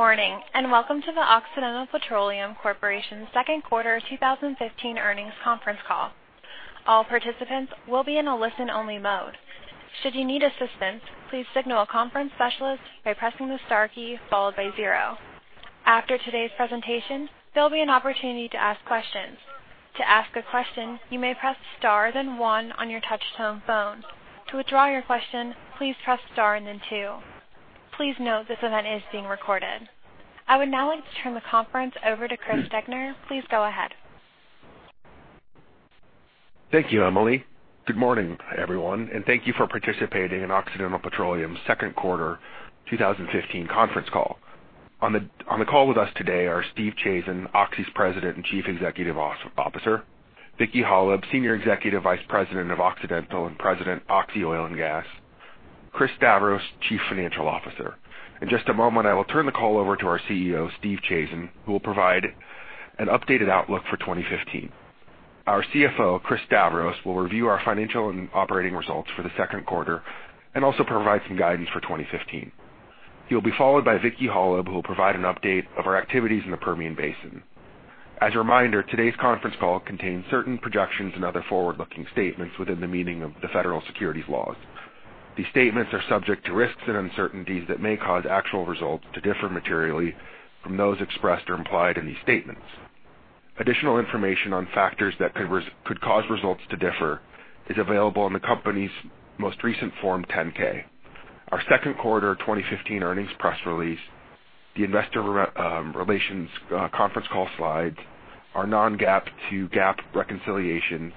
Good morning, and welcome to the Occidental Petroleum Corporation second quarter 2015 earnings conference call. All participants will be in a listen-only mode. Should you need assistance, please signal a conference specialist by pressing the star key followed by zero. After today's presentation, there'll be an opportunity to ask questions. To ask a question, you may press star then one on your touch-tone phone. To withdraw your question, please press star and then two. Please note this event is being recorded. I would now like to turn the conference over to Chris Degner. Please go ahead. Thank you, Emily. Good morning, everyone, and thank you for participating in Occidental Petroleum second quarter 2015 conference call. On the call with us today are Steve Chazen, Oxy's President and Chief Executive Officer, Vicki Hollub, Senior Executive Vice President of Occidental and President, Oxy Oil and Gas, Chris Stavros, Chief Financial Officer. In just a moment, I will turn the call over to our CEO, Steve Chazen, who will provide an updated outlook for 2015. Our CFO, Chris Stavros, will review our financial and operating results for the second quarter and also provide some guidance for 2015. He'll be followed by Vicki Hollub, who will provide an update of our activities in the Permian Basin. As a reminder, today's conference call contains certain projections and other forward-looking statements within the meaning of the federal securities laws. These statements are subject to risks and uncertainties that may cause actual results to differ materially from those expressed or implied in these statements. Additional information on factors that could cause results to differ is available on the company's most recent Form 10-K. Our second quarter 2015 earnings press release, the investor relations conference call slides, our non-GAAP to GAAP reconciliations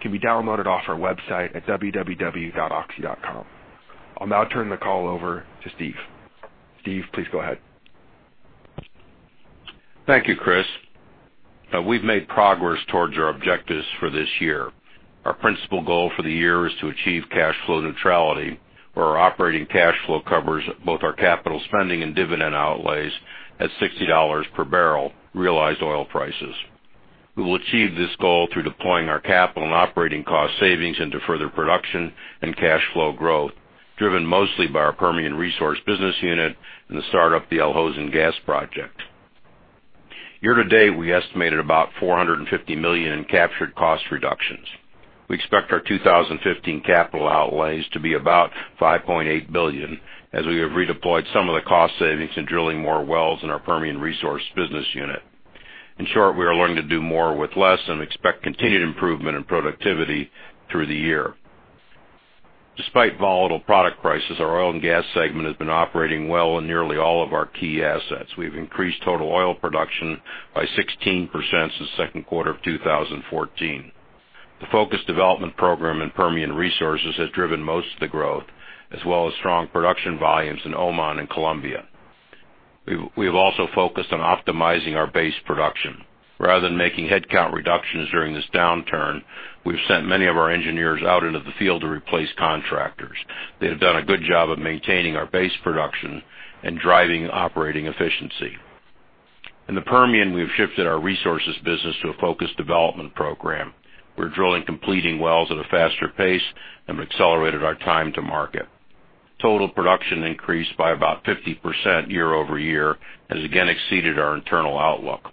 can be downloaded off our website at www.oxy.com. I'll now turn the call over to Steve. Steve, please go ahead. Thank you, Chris. We've made progress towards our objectives for this year. Our principal goal for the year is to achieve cash flow neutrality, where our operating cash flow covers both our capital spending and dividend outlays at $60 per barrel realized oil prices. We will achieve this goal through deploying our capital and operating cost savings into further production and cash flow growth, driven mostly by our Permian Resources business unit and the start of the Al Hosn Gas project. Year to date, we estimated about $450 million in captured cost reductions. We expect our 2015 capital outlays to be about $5.8 billion, as we have redeployed some of the cost savings in drilling more wells in our Permian Resources business unit. In short, we are learning to do more with less and expect continued improvement in productivity through the year. Despite volatile product prices, our oil and gas segment has been operating well in nearly all of our key assets. We've increased total oil production by 16% since the second quarter of 2014. The focused development program in Permian Resources has driven most of the growth, as well as strong production volumes in Oman and Colombia. We've also focused on optimizing our base production. Rather than making headcount reductions during this downturn, we've sent many of our engineers out into the field to replace contractors. They have done a good job of maintaining our base production and driving operating efficiency. In the Permian, we've shifted our resources business to a focused development program. We're drilling completing wells at a faster pace and have accelerated our time to market. Total production increased by about 50% year-over-year has again exceeded our internal outlook.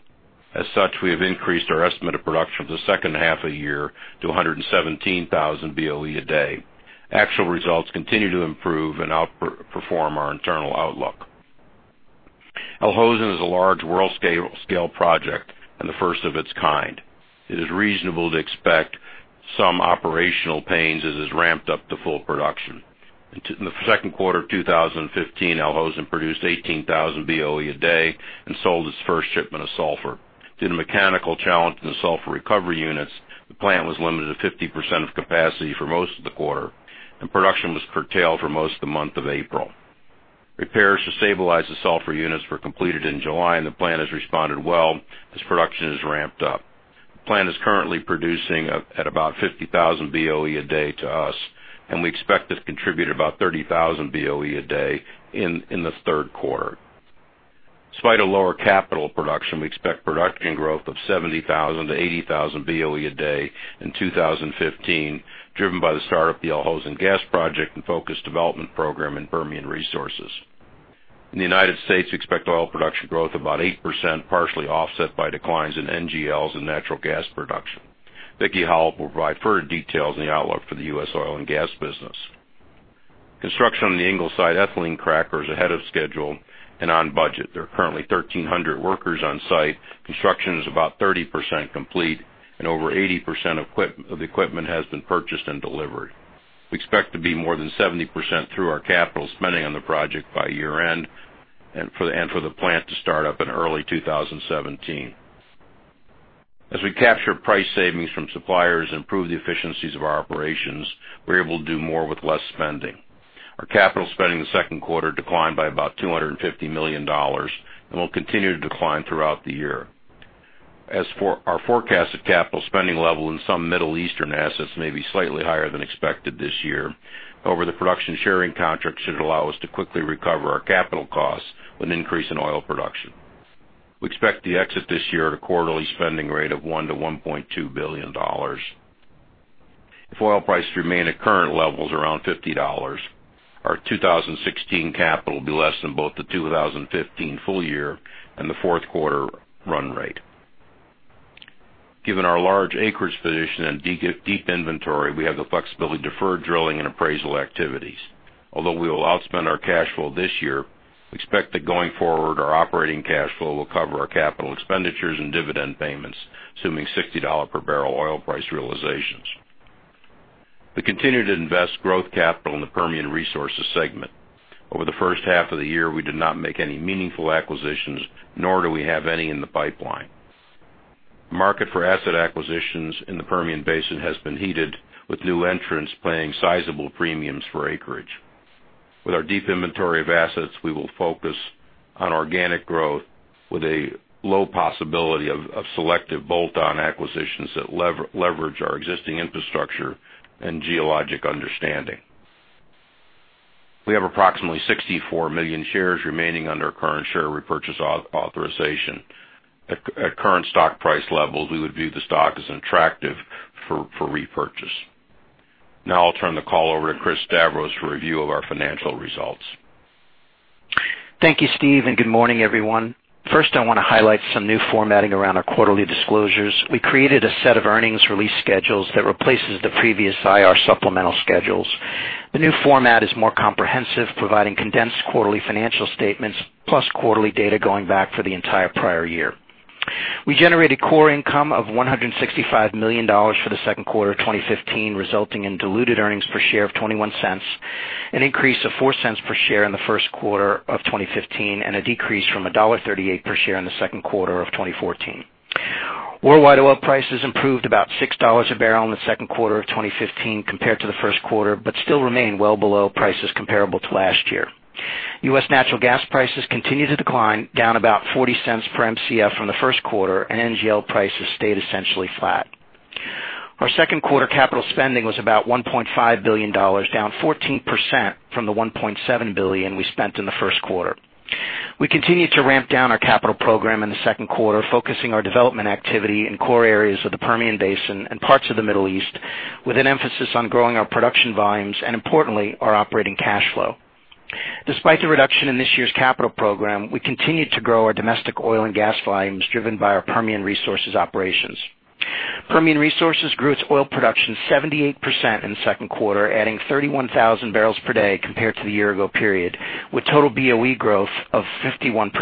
As such, we have increased our estimate of production for the second half of the year to 117,000 BOE a day. Actual results continue to improve and outperform our internal outlook. Al Hosn is a large world-scale project and the first of its kind. It is reasonable to expect some operational pains as it is ramped up to full production. In the second quarter of 2015, Al Hosn produced 18,000 BOE a day and sold its first shipment of sulfur. Due to mechanical challenge in the sulfur recovery units, the plant was limited to 50% of capacity for most of the quarter, and production was curtailed for most of the month of April. Repairs to stabilize the sulfur units were completed in July, and the plant has responded well as production is ramped up. The plant is currently producing at about 50,000 BOE a day to us, and we expect it to contribute about 35,000 BOE a day in the third quarter. Despite a lower capital production, we expect production growth of 70,000-80,000 BOE a day in 2015, driven by the start of the Al Hosn Gas project and focused development program in Permian Resources. In the United States, we expect oil production growth about 8% partially offset by declines in NGLs and natural gas production. Vicki Hollub will provide further details on the outlook for the U.S. oil and gas business. Construction on the Ingleside ethylene cracker is ahead of schedule and on budget. There are currently 1,300 workers on site. Construction is about 30% complete, and over 80% of the equipment has been purchased and delivered. We expect to be more than 70% through our capital spending on the project by year-end and for the plant to start up in early 2017. As we capture price savings from suppliers and improve the efficiencies of our operations, we're able to do more with less spending. Our capital spending in the second quarter declined by about $250 million and will continue to decline throughout the year. As for our forecasted capital spending level in some Middle Eastern assets may be slightly higher than expected this year. However, the production sharing contract should allow us to quickly recover our capital costs with an increase in oil production. We expect to exit this year at a quarterly spending rate of $1 billion-$1.2 billion. If oil prices remain at current levels around $50, our 2016 capital will be less than both the 2015 full year and the fourth quarter run rate. Given our large acreage position and deep inventory, we have the flexibility to defer drilling and appraisal activities. Although we will outspend our cash flow this year, we expect that going forward, our operating cash flow will cover our capital expenditures and dividend payments, assuming $60 per barrel oil price realizations. We continue to invest growth capital in the Permian Resources segment. Over the first half of the year, we did not make any meaningful acquisitions, nor do we have any in the pipeline. Market for asset acquisitions in the Permian Basin has been heated, with new entrants paying sizable premiums for acreage. With our deep inventory of assets, we will focus on organic growth with a low possibility of selective bolt-on acquisitions that leverage our existing infrastructure and geologic understanding. We have approximately 64 million shares remaining under our current share repurchase authorization. At current stock price levels, we would view the stock as attractive for repurchase. Now I'll turn the call over to Chris Stavros for a review of our financial results. Thank you, Steve, and good morning, everyone. First, I want to highlight some new formatting around our quarterly disclosures. We created a set of earnings release schedules that replaces the previous IR supplemental schedules. The new format is more comprehensive, providing condensed quarterly financial statements, plus quarterly data going back for the entire prior year. We generated core income of $165 million for the second quarter of 2015, resulting in diluted earnings per share of $0.21, an increase of $0.04 per share in the first quarter of 2015, and a decrease from $1.38 per share in the second quarter of 2014. Worldwide oil prices improved about $6 a barrel in the second quarter of 2015 compared to the first quarter, but still remain well below prices comparable to last year. U.S. natural gas prices continued to decline, down about $0.40 per Mcf from the first quarter, and NGL prices stayed essentially flat. Our second quarter capital spending was about $1.5 billion, down 14% from the $1.7 billion we spent in the first quarter. We continued to ramp down our capital program in the second quarter, focusing our development activity in core areas of the Permian Basin and parts of the Middle East, with an emphasis on growing our production volumes and importantly, our operating cash flow. Despite the reduction in this year's capital program, we continued to grow our domestic oil and gas volumes driven by our Permian Resources operations. Permian Resources grew its oil production 78% in the second quarter, adding 31,000 barrels per day compared to the year ago period, with total BOE growth of 51%.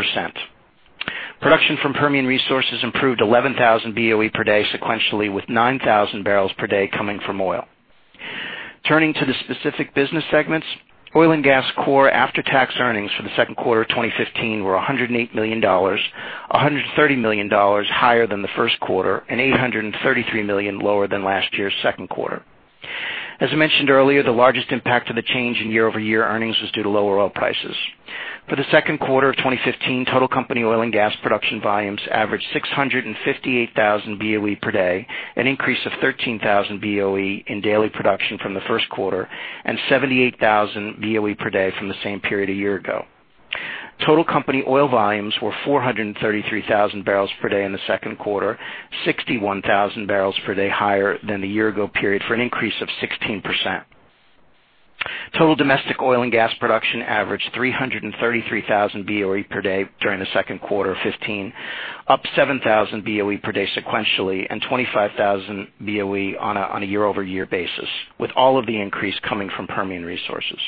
Production from Permian Resources improved 11,000 BOE per day sequentially, with 9,000 barrels per day coming from oil. Turning to the specific business segments, oil and gas core after-tax earnings for the second quarter of 2015 were $108 million, $130 million higher than the first quarter, and $833 million lower than last year's second quarter. As I mentioned earlier, the largest impact of the change in year-over-year earnings was due to lower oil prices. For the second quarter of 2015, total company oil and gas production volumes averaged 658,000 BOE per day, an increase of 13,000 BOE in daily production from the first quarter, and 78,000 BOE per day from the same period a year ago. Total company oil volumes were 433,000 barrels per day in the second quarter, 61,000 barrels per day higher than the year ago period for an increase of 16%. Total domestic oil and gas production averaged 333,000 BOE per day during the second quarter of '15, up 7,000 BOE per day sequentially and 25,000 BOE on a year-over-year basis, with all of the increase coming from Permian Resources.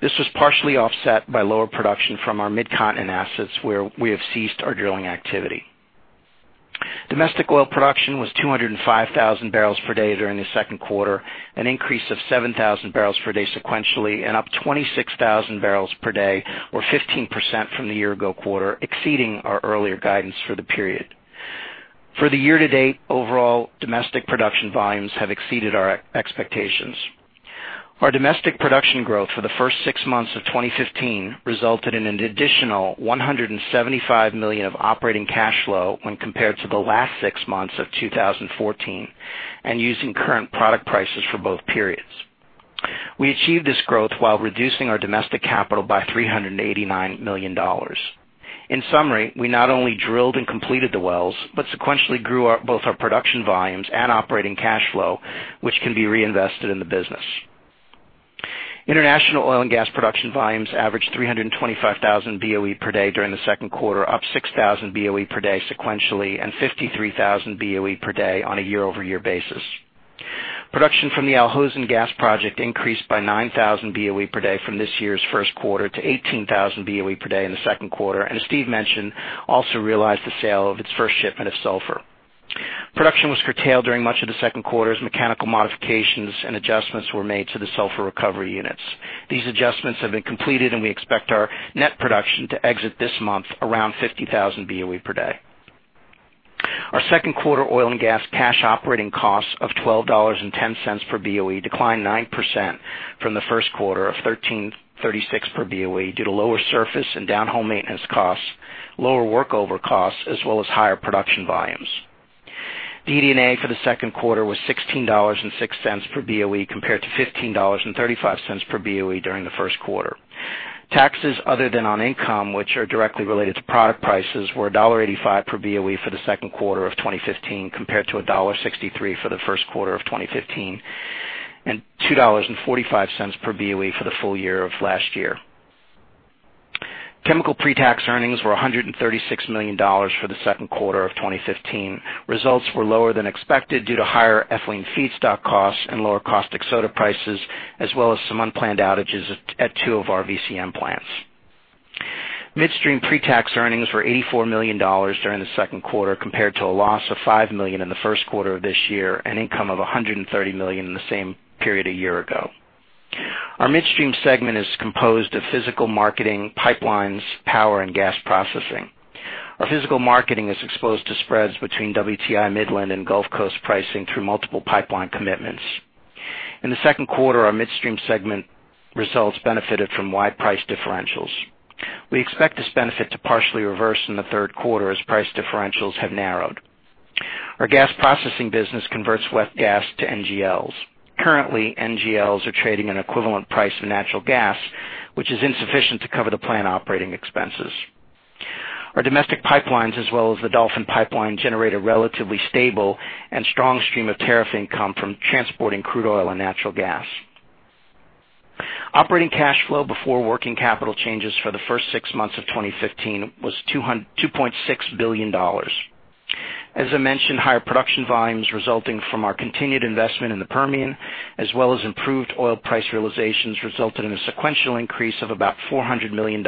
This was partially offset by lower production from our Mid-Continent assets where we have ceased our drilling activity. Domestic oil production was 205,000 barrels per day during the second quarter, an increase of 7,000 barrels per day sequentially and up 26,000 barrels per day or 15% from the year ago quarter, exceeding our earlier guidance for the period. For the year to date, overall domestic production volumes have exceeded our expectations. Our domestic production growth for the first six months of 2015 resulted in an additional $175 million of operating cash flow when compared to the last six months of 2014, and using current product prices for both periods. We achieved this growth while reducing our domestic capital by $389 million. In summary, we not only drilled and completed the wells, but sequentially grew both our production volumes and operating cash flow, which can be reinvested in the business. International oil and gas production volumes averaged 325,000 BOE per day during the second quarter, up 6,000 BOE per day sequentially and 53,000 BOE per day on a year-over-year basis. Production from the Al Hosn Gas project increased by 9,000 BOE per day from this year's first quarter to 18,000 BOE per day in the second quarter, and as Steve mentioned, also realized the sale of its first shipment of sulfur. Production was curtailed during much of the second quarter as mechanical modifications and adjustments were made to the sulfur recovery units. These adjustments have been completed, we expect our net production to exit this month around 50,000 BOE per day. Our second quarter oil and gas cash operating costs of $12.10 per BOE declined 9% from the first quarter of $13.36 per BOE due to lower surface and downhole maintenance costs, lower workover costs, as well as higher production volumes. DD&A for the second quarter was $16.06 per BOE, compared to $15.35 per BOE during the first quarter. Taxes other than on income, which are directly related to product prices, were $1.85 per BOE for the second quarter of 2015, compared to $1.63 for the first quarter of 2015, and $2.45 per BOE for the full year of last year. Chemical pre-tax earnings were $136 million for the second quarter of 2015. Results were lower than expected due to higher ethylene feedstock costs and lower caustic soda prices, as well as some unplanned outages at two of our VCM plants. Midstream pre-tax earnings were $84 million during the second quarter, compared to a loss of $5 million in the first quarter of this year and income of $130 million in the same period a year ago. Our midstream segment is composed of physical marketing pipelines, power, and gas processing. Our physical marketing is exposed to spreads between WTI Midland and Gulf Coast pricing through multiple pipeline commitments. In the second quarter, our midstream segment results benefited from wide price differentials. We expect this benefit to partially reverse in the third quarter as price differentials have narrowed. Our gas processing business converts wet gas to NGLs. Currently, NGLs are trading an equivalent price of natural gas, which is insufficient to cover the plant operating expenses. Our domestic pipelines, as well as the Dolphin pipeline, generate a relatively stable and strong stream of tariff income from transporting crude oil and natural gas. Operating cash flow before working capital changes for the first six months of 2015 was $2.6 billion. As I mentioned, higher production volumes resulting from our continued investment in the Permian, as well as improved oil price realizations, resulted in a sequential increase of about $400 million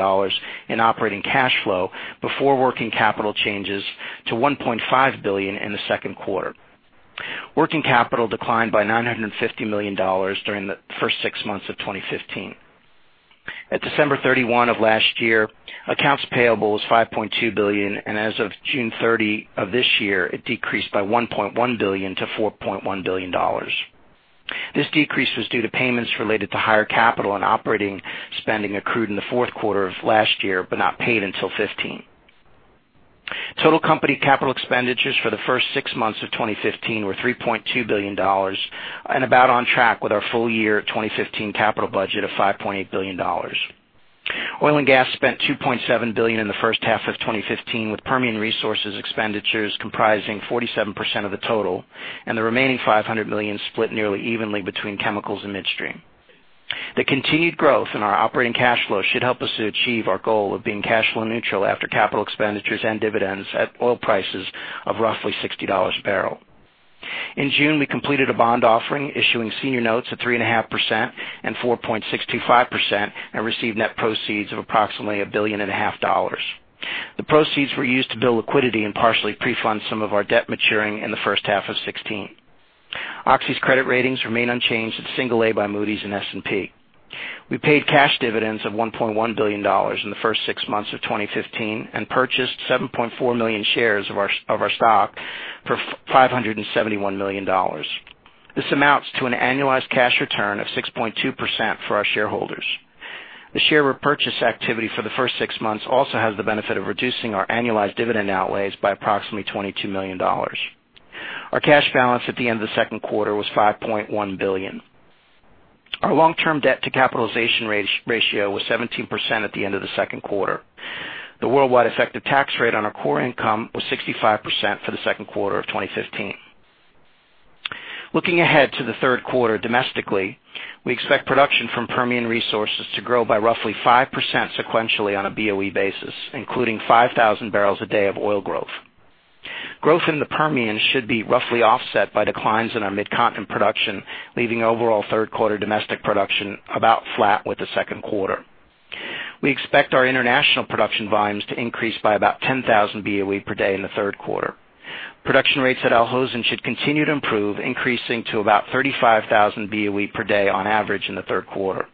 in operating cash flow before working capital changes to $1.5 billion in the second quarter. Working capital declined by $950 million during the first six months of 2015. At December 31 of last year, accounts payable was $5.2 billion, and as of June 30 of this year, it decreased by $1.1 billion to $4.1 billion. This decrease was due to payments related to higher capital and operating spending accrued in the fourth quarter of last year, but not paid until 2015. Total company capital expenditures for the first six months of 2015 were $3.2 billion and about on track with our full year 2015 capital budget of $5.8 billion. Oil and gas spent $2.7 billion in the first half of 2015, with Permian Resources expenditures comprising 47% of the total, and the remaining $500 million split nearly evenly between chemicals and midstream. The continued growth in our operating cash flow should help us to achieve our goal of being cash flow neutral after capital expenditures and dividends at oil prices of roughly $60 a barrel. In June, we completed a bond offering issuing senior notes at 3.5% and 4.65% and received net proceeds of approximately $1.5 billion. The proceeds were used to build liquidity and partially pre-fund some of our debt maturing in the first half of 2016. Oxy's credit ratings remain unchanged at single A by Moody's and S&P. We paid cash dividends of $1.1 billion in the first six months of 2015 and purchased 7.4 million shares of our stock for $571 million. This amounts to an annualized cash return of 6.2% for our shareholders. The share repurchase activity for the first six months also has the benefit of reducing our annualized dividend outlays by approximately $22 million. Our cash balance at the end of the second quarter was $5.1 billion. Our long-term debt to capitalization ratio was 17% at the end of the second quarter. The worldwide effective tax rate on our core income was 65% for the second quarter of 2015. Looking ahead to the third quarter domestically, we expect production from Permian Resources to grow by roughly 5% sequentially on a BOE basis, including 5,000 barrels a day of oil growth. Growth in the Permian should be roughly offset by declines in our Mid-Continent production, leaving overall third quarter domestic production about flat with the second quarter. We expect our international production volumes to increase by about 10,000 BOE per day in the third quarter. Production rates at Al Hosn should continue to improve, increasing to about 35,000 BOE per day on average in the third quarter.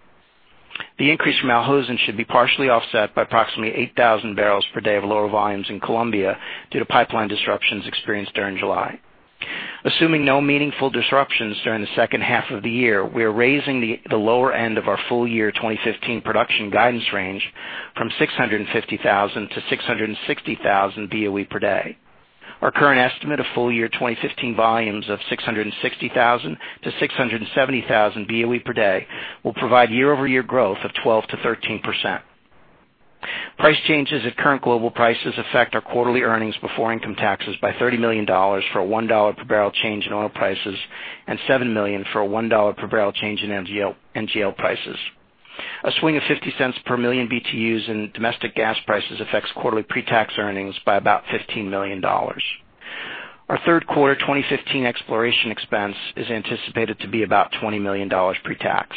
The increase from Al Hosn should be partially offset by approximately 8,000 barrels per day of lower volumes in Colombia due to pipeline disruptions experienced during July. Assuming no meaningful disruptions during the second half of the year, we are raising the lower end of our full year 2015 production guidance range from 650,000 to 660,000 BOE per day. Our current estimate of full year 2015 volumes of 660,000 to 670,000 BOE per day will provide year-over-year growth of 12% to 13%. Price changes at current global prices affect our quarterly earnings before income taxes by $30 million for a $1 per barrel change in oil prices and $7 million for a $1 per barrel change in NGL prices. A swing of $0.50 per million BTUs in domestic gas prices affects quarterly pre-tax earnings by about $15 million. Our third quarter 2015 exploration expense is anticipated to be about $20 million pre-tax.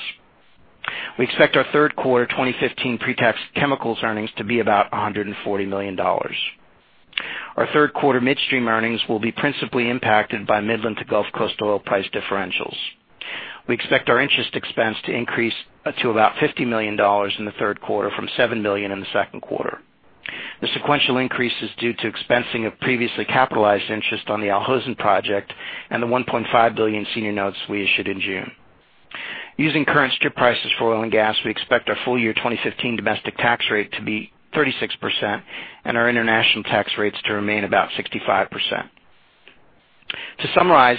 We expect our third quarter 2015 pre-tax chemicals earnings to be about $140 million. Our third quarter midstream earnings will be principally impacted by Midland to Gulf Coast oil price differentials. We expect our interest expense to increase to about $50 million in the third quarter from $7 million in the second quarter. The sequential increase is due to expensing of previously capitalized interest on the Al Hosn project and the $1.5 billion senior notes we issued in June. Using current strip prices for oil and gas, we expect our full year 2015 domestic tax rate to be 36% and our international tax rates to remain about 65%. To summarize,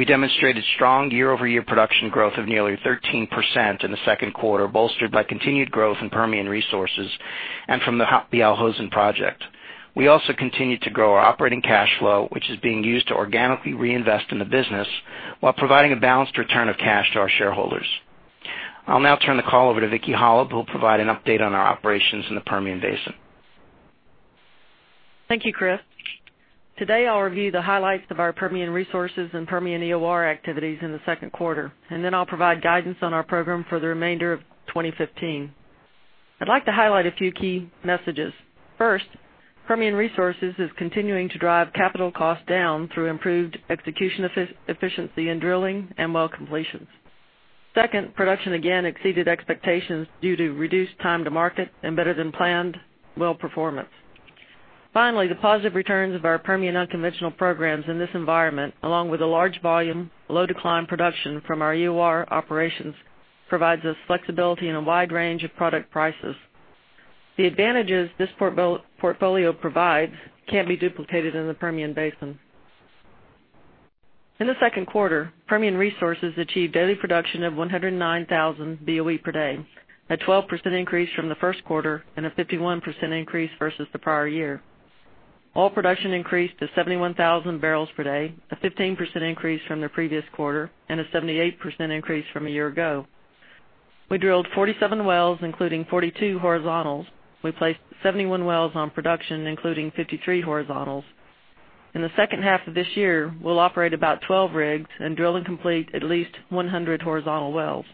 we demonstrated strong year-over-year production growth of nearly 13% in the second quarter, bolstered by continued growth in Permian Resources and from the Al Hosn project. We also continued to grow our operating cash flow, which is being used to organically reinvest in the business while providing a balanced return of cash to our shareholders. I'll now turn the call over to Vicki Hollub, who'll provide an update on our operations in the Permian Basin. Thank you, Chris. Today, I'll review the highlights of our Permian Resources and Permian EOR activities in the second quarter, and then I'll provide guidance on our program for the remainder of 2015. I'd like to highlight a few key messages. First, Permian Resources is continuing to drive capital costs down through improved execution efficiency in drilling and well completions. Second, production again exceeded expectations due to reduced time to market and better than planned well performance. Finally, the positive returns of our Permian unconventional programs in this environment, along with a large volume, low decline production from our EOR operations, provides us flexibility in a wide range of product prices. The advantages this portfolio provides can't be duplicated in the Permian Basin. In the second quarter, Permian Resources achieved daily production of 109,000 BOE per day, a 12% increase from the first quarter and a 51% increase versus the prior year. Oil production increased to 71,000 barrels per day, a 15% increase from the previous quarter, and a 78% increase from a year ago. We drilled 47 wells, including 42 horizontals. We placed 71 wells on production, including 53 horizontals. In the second half of this year, we'll operate about 12 rigs and drill and complete at least 100 horizontal wells.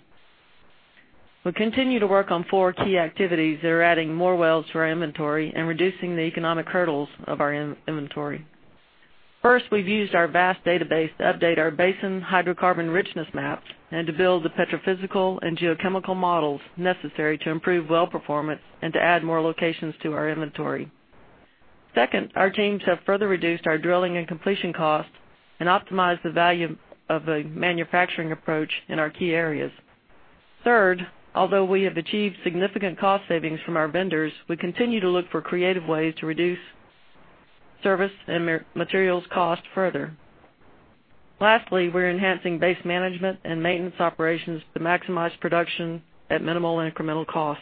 We continue to work on four key activities that are adding more wells to our inventory and reducing the economic hurdles of our inventory. First, we've used our vast database to update our basin hydrocarbon richness maps and to build the petrophysical and geochemical models necessary to improve well performance and to add more locations to our inventory. Second, our teams have further reduced our drilling and completion costs and optimized the value of the manufacturing approach in our key areas. Third, although we have achieved significant cost savings from our vendors, we continue to look for creative ways to reduce service and materials cost further. Lastly, we're enhancing base management and maintenance operations to maximize production at minimal incremental cost.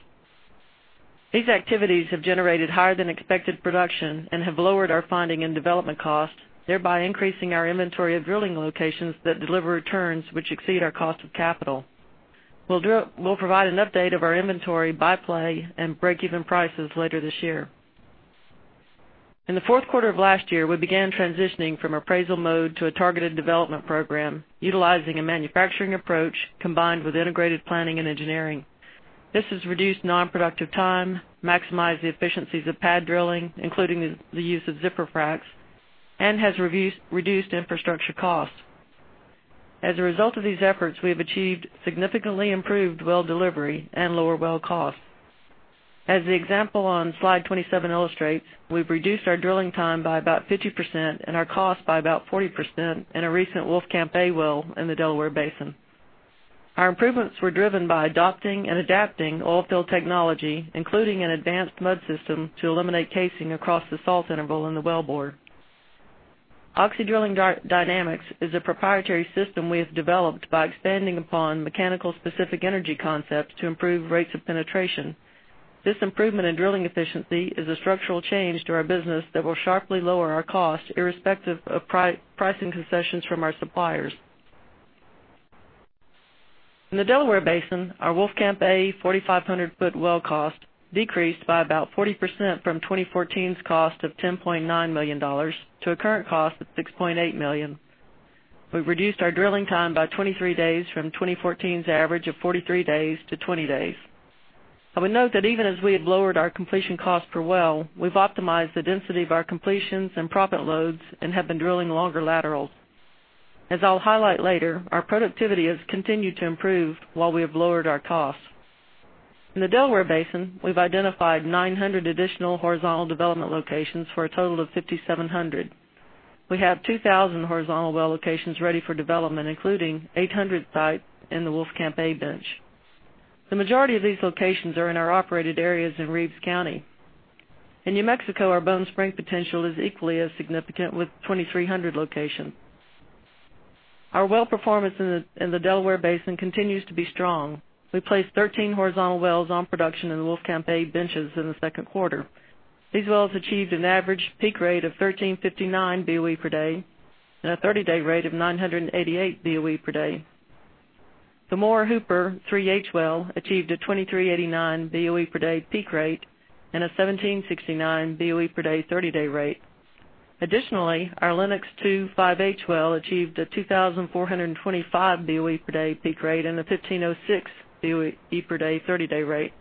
These activities have generated higher than expected production and have lowered our finding and development cost, thereby increasing our inventory of drilling locations that deliver returns which exceed our cost of capital. We'll provide an update of our inventory by play and break-even prices later this year. In the fourth quarter of last year, we began transitioning from appraisal mode to a targeted development program utilizing a manufacturing approach combined with integrated planning and engineering. This has reduced non-productive time, maximized the efficiencies of pad drilling, including the use of zipper fracs, and has reduced infrastructure costs. As a result of these efforts, we have achieved significantly improved well delivery and lower well costs. As the example on Slide 27 illustrates, we've reduced our drilling time by about 50% and our cost by about 40% in a recent Wolfcamp A well in the Delaware Basin. Our improvements were driven by adopting and adapting oil field technology, including an advanced mud system, to eliminate casing across the salt interval in the wellbore. OxyDrilling Dynamics is a proprietary system we have developed by expanding upon mechanical specific energy concepts to improve rates of penetration. This improvement in drilling efficiency is a structural change to our business that will sharply lower our cost irrespective of pricing concessions from our suppliers. In the Delaware Basin, our Wolfcamp A 4,500-foot well cost decreased by about 40% from 2014's cost of $10.9 million to a current cost of $6.8 million. We've reduced our drilling time by 23 days from 2014's average of 43 days to 20 days. I would note that even as we have lowered our completion cost per well, we've optimized the density of our completions and proppant loads and have been drilling longer laterals. As I'll highlight later, our productivity has continued to improve while we have lowered our costs. In the Delaware Basin, we've identified 900 additional horizontal development locations for a total of 5,700. We have 2,000 horizontal well locations ready for development, including 800 sites in the Wolfcamp A bench. The majority of these locations are in our operated areas in Reeves County. In New Mexico, our Bone Spring potential is equally as significant with 2,300 locations. Our well performance in the Delaware Basin continues to be strong. We placed 13 horizontal wells on production in the Wolfcamp A benches in the second quarter. These wells achieved an average peak rate of 1,359 BOE per day and a 30-day rate of 988 BOE per day. The Moore Hooper 3H well achieved a 2,389 BOE per day peak rate and a 1,769 BOE per day 30-day rate. Additionally, our Linux 2-5H well achieved a 2,425 BOE per day peak rate and a 1,506 BOE per day 30-day rate.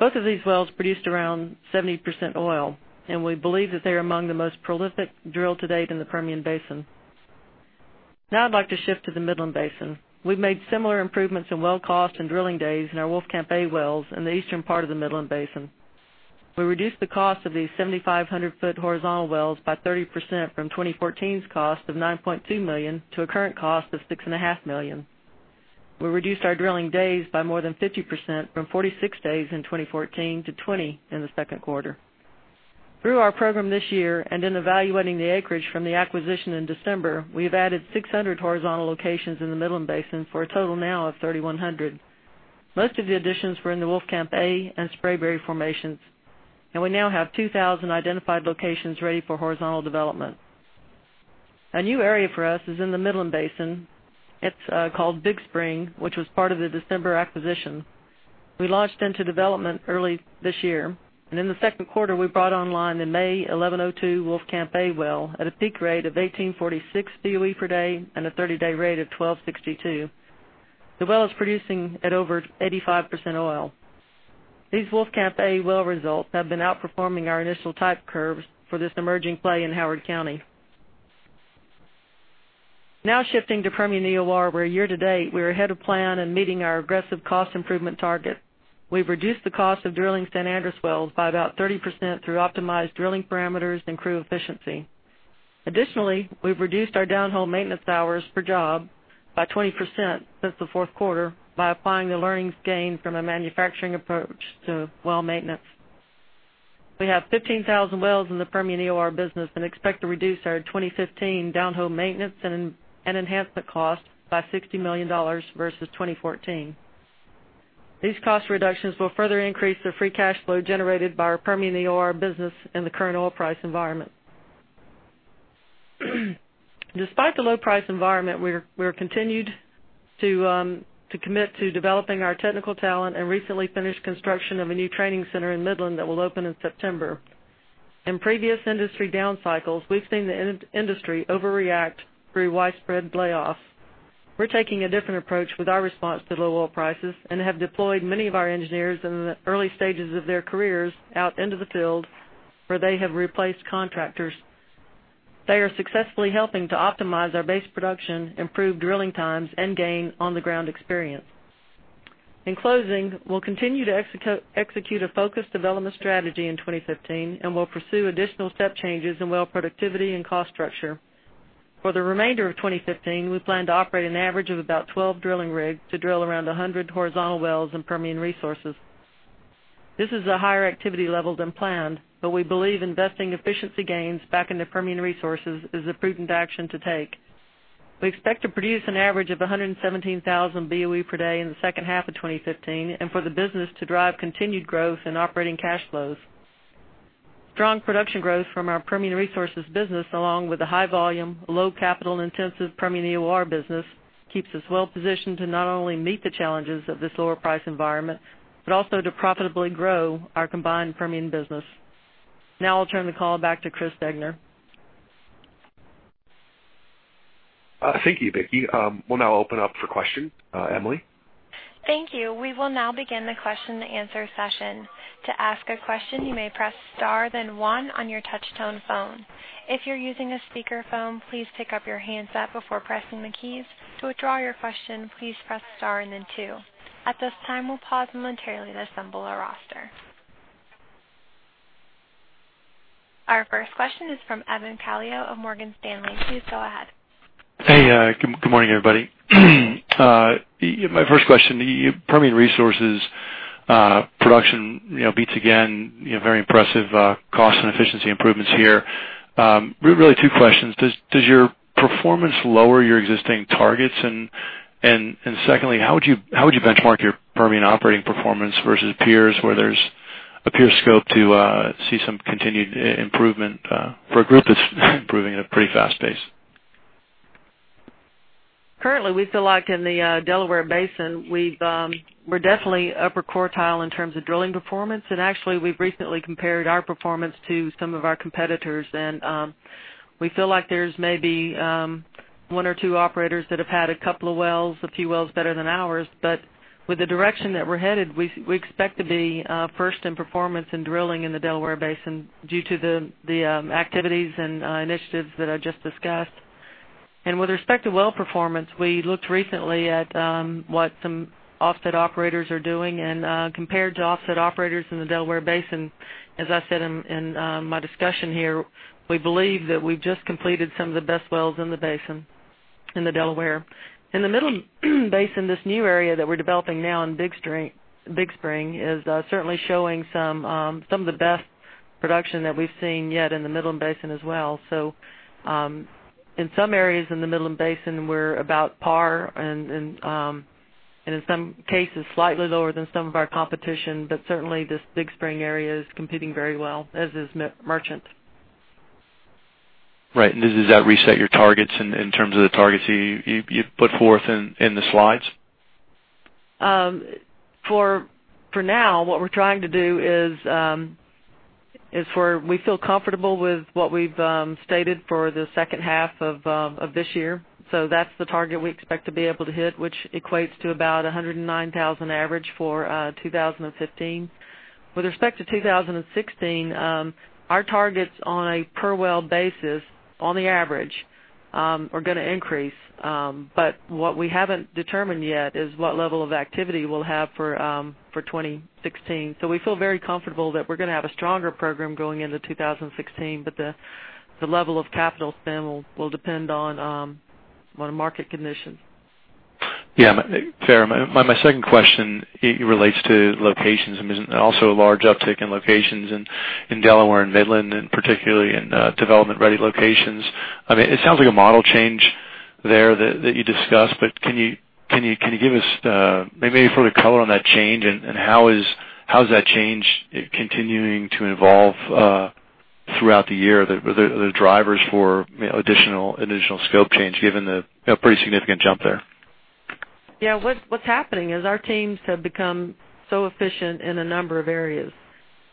Both of these wells produced around 70% oil, and we believe that they're among the most prolific drilled to date in the Permian Basin. Now I'd like to shift to the Midland Basin. We've made similar improvements in well cost and drilling days in our Wolfcamp A wells in the eastern part of the Midland Basin. We reduced the cost of these 7,500-foot horizontal wells by 30% from 2014's cost of $9.2 million to a current cost of $6.5 million. We reduced our drilling days by more than 50%, from 46 days in 2014 to 20 in the second quarter. Through our program this year and in evaluating the acreage from the acquisition in December, we have added 600 horizontal locations in the Midland Basin for a total now of 3,100. Most of the additions were in the Wolfcamp A and Spraberry formations, and we now have 2,000 identified locations ready for horizontal development. A new area for us is in the Midland Basin. It's called Big Spring, which was part of the December acquisition. We launched into development early this year, and in the second quarter, we brought online the May 1102 Wolfcamp A well at a peak rate of 1,846 BOE per day and a 30-day rate of 1,262. The well is producing at over 85% oil. These Wolfcamp A well results have been outperforming our initial type curves for this emerging play in Howard County. Now shifting to Permian EOR, where year to date, we are ahead of plan and meeting our aggressive cost improvement target. We've reduced the cost of drilling San Andres wells by about 30% through optimized drilling parameters and crew efficiency. Additionally, we've reduced our downhole maintenance hours per job by 20% since the fourth quarter by applying the learnings gained from a manufacturing approach to well maintenance. We have 15,000 wells in the Permian EOR business and expect to reduce our 2015 downhole maintenance and enhancement cost by $60 million versus 2014. These cost reductions will further increase the free cash flow generated by our Permian EOR business in the current oil price environment. Despite the low price environment, we're continued to commit to developing our technical talent and recently finished construction of a new training center in Midland that will open in September. In previous industry down cycles, we've seen the industry overreact through widespread layoffs. We're taking a different approach with our response to low oil prices and have deployed many of our engineers in the early stages of their careers out into the field where they have replaced contractors. They are successfully helping to optimize our base production, improve drilling times, and gain on-the-ground experience. In closing, we'll continue to execute a focused development strategy in 2015, and we'll pursue additional step changes in well productivity and cost structure. For the remainder of 2015, we plan to operate an average of about 12 drilling rigs to drill around 100 horizontal wells in Permian Resources. This is a higher activity level than planned, but we believe investing efficiency gains back into Permian Resources is a prudent action to take. We expect to produce an average of 117,000 BOE per day in the second half of 2015 and for the business to drive continued growth in operating cash flows. Strong production growth from our Permian Resources business, along with a high volume, low capital intensive Permian EOR business, keeps us well positioned to not only meet the challenges of this lower price environment, but also to profitably grow our combined Permian business. Now I'll turn the call back to Chris Degner. Thank you, Vicki. We'll now open up for questions. Emily? Thank you. We will now begin the question and answer session. To ask a question, you may press star, then one on your touchtone phone. If you're using a speakerphone, please pick up your handset before pressing the keys. To withdraw your question, please press star and then two. At this time, we'll pause momentarily to assemble our roster. Our first question is from Evan Calio of Morgan Stanley. Please go ahead. Hey, good morning, everybody. My first question, Permian Resources production beats again, very impressive cost and efficiency improvements here. Really two questions. Does your performance lower your existing targets? Secondly, how would you benchmark your Permian operating performance versus peers where there's a peer scope to see some continued improvement for a group that's improving at a pretty fast pace? Currently, we feel like in the Delaware Basin, we're definitely upper quartile in terms of drilling performance. Actually, we've recently compared our performance to some of our competitors. We feel like there's maybe one or two operators that have had a couple of wells, a few wells better than ours. With the direction that we're headed, we expect to be first in performance in drilling in the Delaware Basin due to the activities and initiatives that I just discussed. With respect to well performance, we looked recently at what some offset operators are doing and compared to offset operators in the Delaware Basin, as I said in my discussion here, we believe that we've just completed some of the best wells in the basin, in the Delaware. In the Midland Basin, this new area that we're developing now in Big Spring, is certainly showing some of the best production that we've seen yet in the Midland Basin as well. In some areas in the Midland Basin, we're about par and in some cases, slightly lower than some of our competition. Certainly, this Big Spring area is competing very well, as is Merchant. Right. Does that reset your targets in terms of the targets you put forth in the slides? For now, what we're trying to do is we feel comfortable with what we've stated for the second half of this year. That's the target we expect to be able to hit, which equates to about 109,000 average for 2015. With respect to 2016, our targets on a per well basis, on the average, are going to increase. What we haven't determined yet is what level of activity we'll have for 2016. We feel very comfortable that we're going to have a stronger program going into 2016. The level of capital spend will depend on market conditions. Yeah. Fair enough, my second question relates to locations. There's also a large uptick in locations in Delaware and Midland, and particularly in development-ready locations. It sounds like a model change there that you discussed, can you give us maybe any further color on that change? How's that change continuing to evolve throughout the year, the drivers for additional scope change, given the pretty significant jump there? Yeah. What's happening is our teams have become so efficient in a number of areas.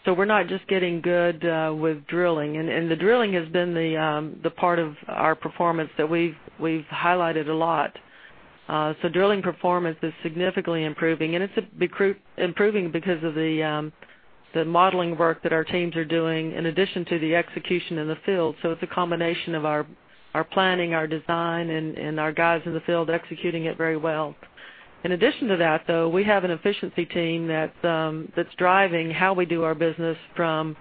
We're not just getting good with drilling. The drilling has been the part of our performance that we've highlighted a lot. Drilling performance is significantly improving, and it's improving because of the modeling work that our teams are doing in addition to the execution in the field. It's a combination of our planning, our design, and our guys in the field executing it very well. In addition to that, though, we have an efficiency team that's driving how we do our business from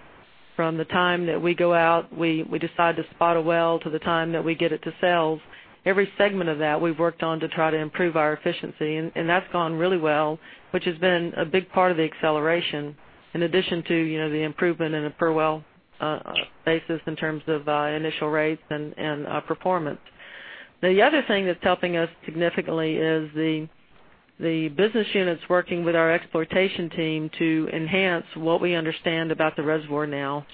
the time that we go out, we decide to spot a well, to the time that we get it to sales. Every segment of that, we've worked on to try to improve our efficiency, that's gone really well, which has been a big part of the acceleration, in addition to the improvement in a per-well basis in terms of initial rates and performance. The other thing that's helping us significantly is the business units working with our exploitation team to enhance what we understand about the reservoir now.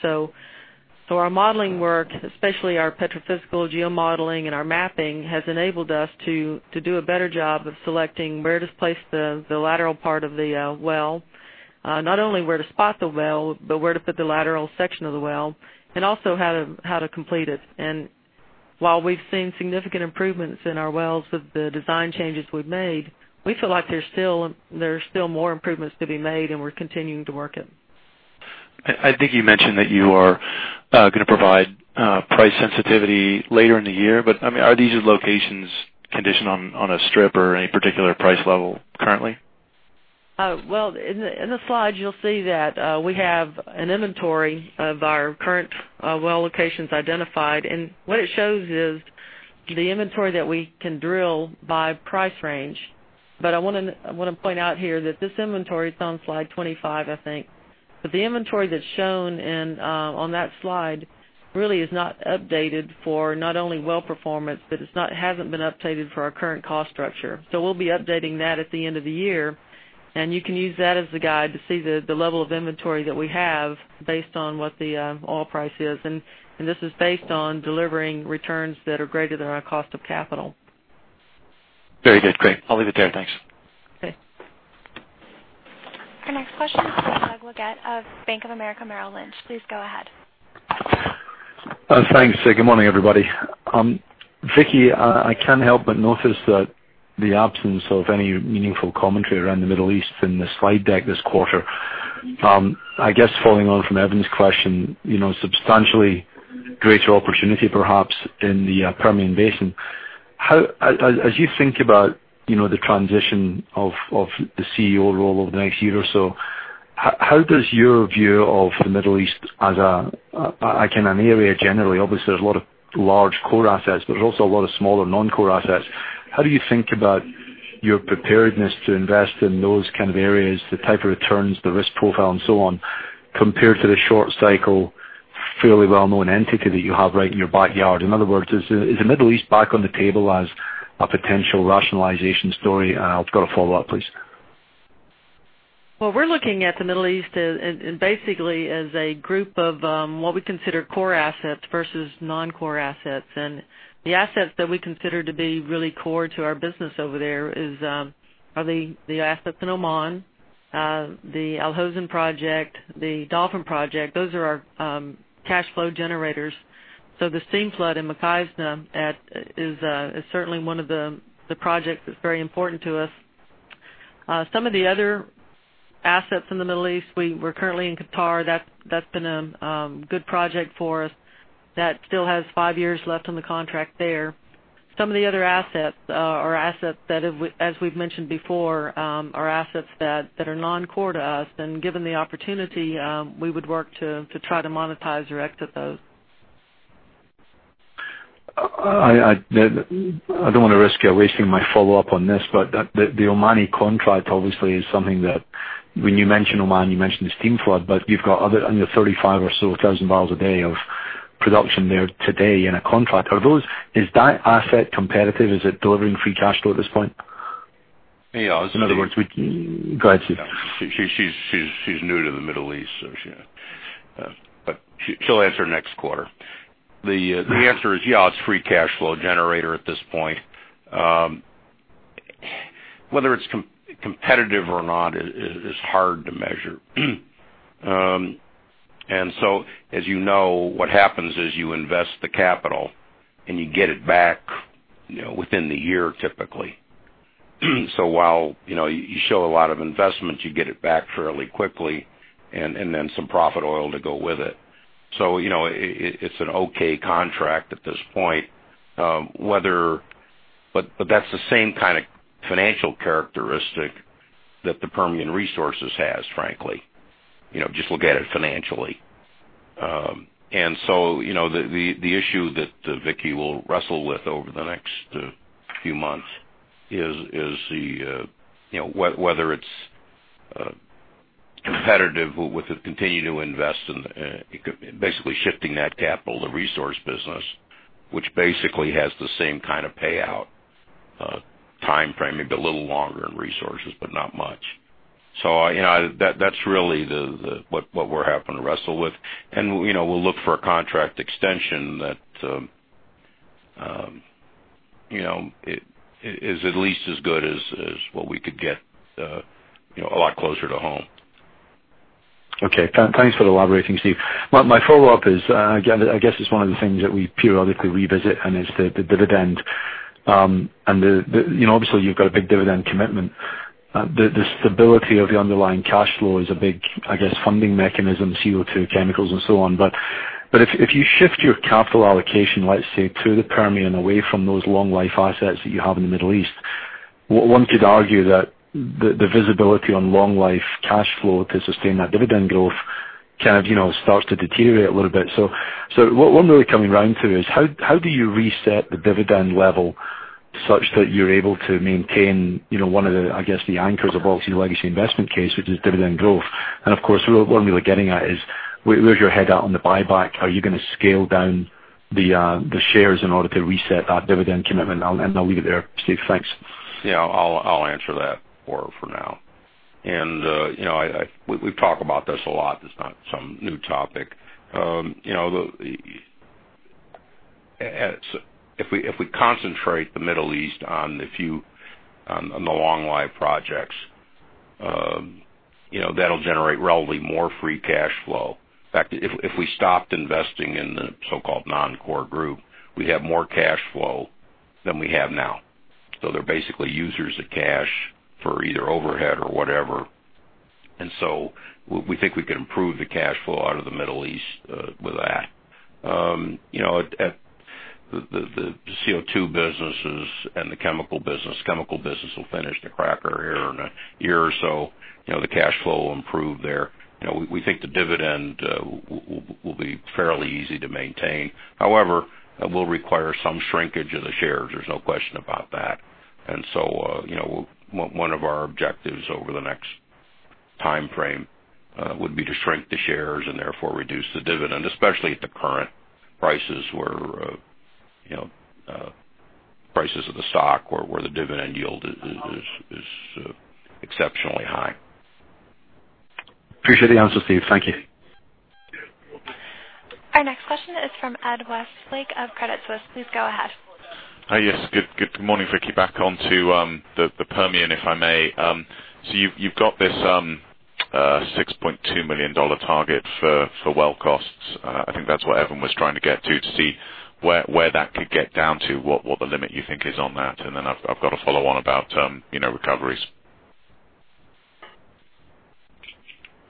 Our modeling work, especially our petrophysical geomodeling and our mapping, has enabled us to do a better job of selecting where to place the lateral part of the well. Not only where to spot the well, but where to put the lateral section of the well, and also how to complete it. While we've seen significant improvements in our wells with the design changes we've made, we feel like there's still more improvements to be made, and we're continuing to work it. I think you mentioned that you are going to provide price sensitivity later in the year, are these locations conditioned on a strip or any particular price level currently? In the slides, you'll see that we have an inventory of our current well locations identified, what it shows is the inventory that we can drill by price range. I want to point out here that this inventory, it's on slide 25, I think. The inventory that's shown on that slide really is not updated for not only well performance, but it hasn't been updated for our current cost structure. We'll be updating that at the end of the year, and you can use that as the guide to see the level of inventory that we have based on what the oil price is. This is based on delivering returns that are greater than our cost of capital. Very good. Great. I'll leave it there. Thanks. Okay. Our next question comes from Doug Leggate of Bank of America Merrill Lynch. Please go ahead. Thanks. Good morning, everybody. Vicki, I can't help but notice the absence of any meaningful commentary around the Middle East in the slide deck this quarter. Following on from Evan's question, substantially greater opportunity perhaps in the Permian Basin. As you think about the transition of the CEO role over the next year or so, how does your view of the Middle East as an area generally, obviously, there's a lot of large core assets, but there's also a lot of smaller non-core assets. How do you think about your preparedness to invest in those kind of areas, the type of returns, the risk profile, and so on, compared to the short cycle, fairly well-known entity that you have right in your backyard? Is the Middle East back on the table as a potential rationalization story? I've got a follow-up, please. We're looking at the Middle East basically as a group of what we consider core assets versus non-core assets. The assets that we consider to be really core to our business over there are the assets in Oman, the Al Hosn project, the Dolphin project. Those are our cash flow generators. The steam flood in Mukhaizna is certainly one of the projects that's very important to us. Some of the other assets in the Middle East, we're currently in Qatar. That's been a good project for us. That still has five years left on the contract there. Some of the other assets are assets that, as we've mentioned before, are assets that are non-core to us, and given the opportunity, we would work to try to monetize or exit those. I don't want to risk wasting my follow-up on this. The Omani contract obviously is something that when you mention Oman, you mention the steam flood, you've got other 35,000 or so barrels a day of production there today in a contract. Is that asset competitive? Is it delivering free cash flow at this point? Yeah. In other words. Go ahead, Steve. She's new to the Middle East, she'll answer next quarter. The answer is, yeah, it's free cash flow generator at this point. Whether it's competitive or not is hard to measure. As you know, what happens is you invest the capital and you get it back within the year, typically. While you show a lot of investment, you get it back fairly quickly and then some profit oil to go with it. It's an okay contract at this point. That's the same kind of financial characteristic that the Permian Resources has, frankly. Just look at it financially. The issue that Vicki will wrestle with over the next few months is whether it's competitive with the continue to invest in basically shifting that capital to resource business, which basically has the same kind of payout timeframe, maybe a little longer in resources, not much. That's really what we're having to wrestle with. We'll look for a contract extension that is at least as good as what we could get a lot closer to home. Okay. Thanks for elaborating, Steve. My follow-up is, again, I guess it's one of the things that we periodically revisit, and it's the dividend. Obviously you've got a big dividend commitment. The stability of the underlying cash flow is a big, I guess, funding mechanism, CO2 chemicals and so on. If you shift your capital allocation, let's say, to the Permian away from those long life assets that you have in the Middle East, one could argue that the visibility on long life cash flow to sustain that dividend growth kind of starts to deteriorate a little bit. What I'm really coming round to is how do you reset the dividend level such that you're able to maintain one of the, I guess, the anchors of all legacy investment case, which is dividend growth. Of course, what I'm really getting at is where's your head at on the buyback? Are you going to scale down the shares in order to reset that dividend commitment? I'll leave it there, Steve. Thanks. Yeah. I'll answer that for now. We've talked about this a lot. It's not some new topic. If we concentrate the Middle East on the long life projects, that'll generate relatively more free cash flow. In fact, if we stopped investing in the so-called non-core group, we'd have more cash flow than we have now. They're basically users of cash for either overhead or whatever. We think we can improve the cash flow out of the Middle East with that. The CO2 businesses and the chemical business. Chemical business will finish the cracker here in a year or so. The cash flow will improve there. We think the dividend will be fairly easy to maintain. However, it will require some shrinkage of the shares. There's no question about that. One of our objectives over the next timeframe would be to shrink the shares and therefore reduce the dividend, especially at the current prices where prices of the stock or where the dividend yield is exceptionally high. Appreciate the answer, Steve. Thank you. Our next question is from Ed Westlake of Credit Suisse. Please go ahead. Hi. Yes. Good morning, Vicki. Back onto the Permian, if I may. You've got this $6.2 million target for well costs. I think that's what Evan was trying to get to see where that could get down to, what the limit you think is on that. Then I've got a follow on about recoveries.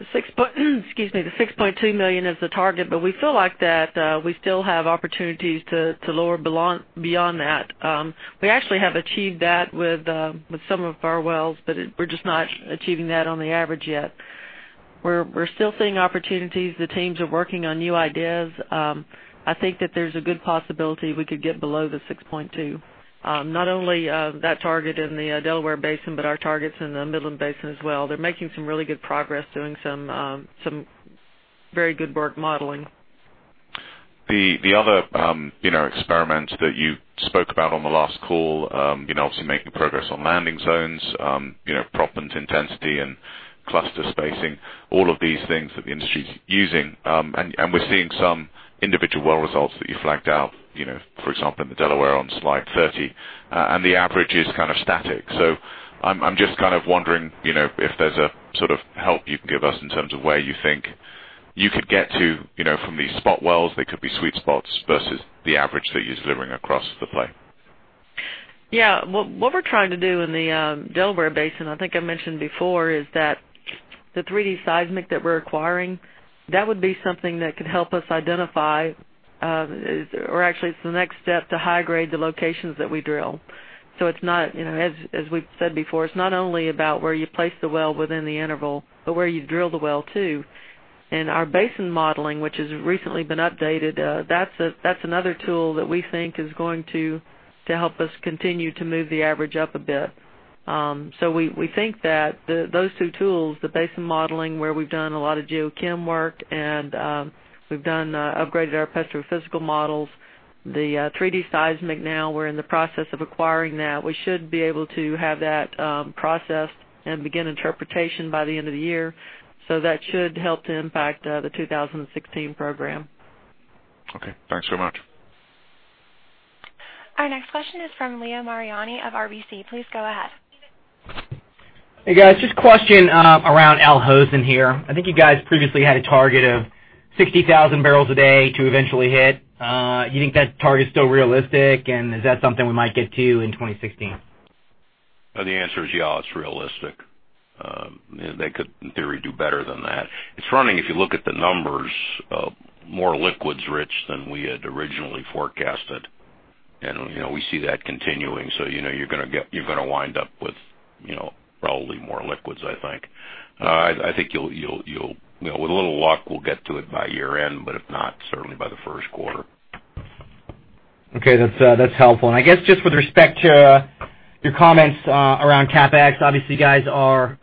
Excuse me. The $6.2 million is the target, but we feel like that we still have opportunities to lower beyond that. We actually have achieved that with some of our wells, but we're just not achieving that on the average yet. We're still seeing opportunities. The teams are working on new ideas. I think that there's a good possibility we could get below the $6.2. Not only that target in the Delaware Basin, but our targets in the Midland Basin as well. They're making some really good progress, doing some very good work modeling. We're seeing some individual well results that you flagged out, for example, in the Delaware on slide 30. The average is kind of static. I'm just kind of wondering if there's a sort of help you can give us in terms of where you think you could get to from these spot wells that could be sweet spots versus the average that you're delivering across the play. Yeah. What we're trying to do in the Delaware Basin, I think I mentioned before, is that the 3D seismic that we're acquiring, that would be something that could help us identify, or actually it's the next step to high grade the locations that we drill. As we've said before, it's not only about where you place the well within the interval, but where you drill the well, too. Our basin modeling, which has recently been updated, that's another tool that we think is going to help us continue to move the average up a bit. We think that those two tools, the basin modeling, where we've done a lot of geochem work and we've upgraded our petrophysical models. The 3D seismic, now we're in the process of acquiring that. We should be able to have that processed and begin interpretation by the end of the year. That should help to impact the 2016 program. Okay. Thanks so much. Our next question is from Leo Mariani of RBC. Please go ahead. Hey, guys, just a question around Al Hosn here. I think you guys previously had a target of 60,000 barrels a day to eventually hit. You think that target's still realistic, and is that something we might get to in 2016? The answer is yeah, it's realistic. They could, in theory, do better than that. It's running, if you look at the numbers, more liquids rich than we had originally forecasted. We see that continuing. You're going to wind up with probably more liquids, I think. I think, with a little luck, we'll get to it by year-end, but if not, certainly by the first quarter. Okay, that's helpful. I guess, just with respect to your comments around CapEx, obviously, you guys are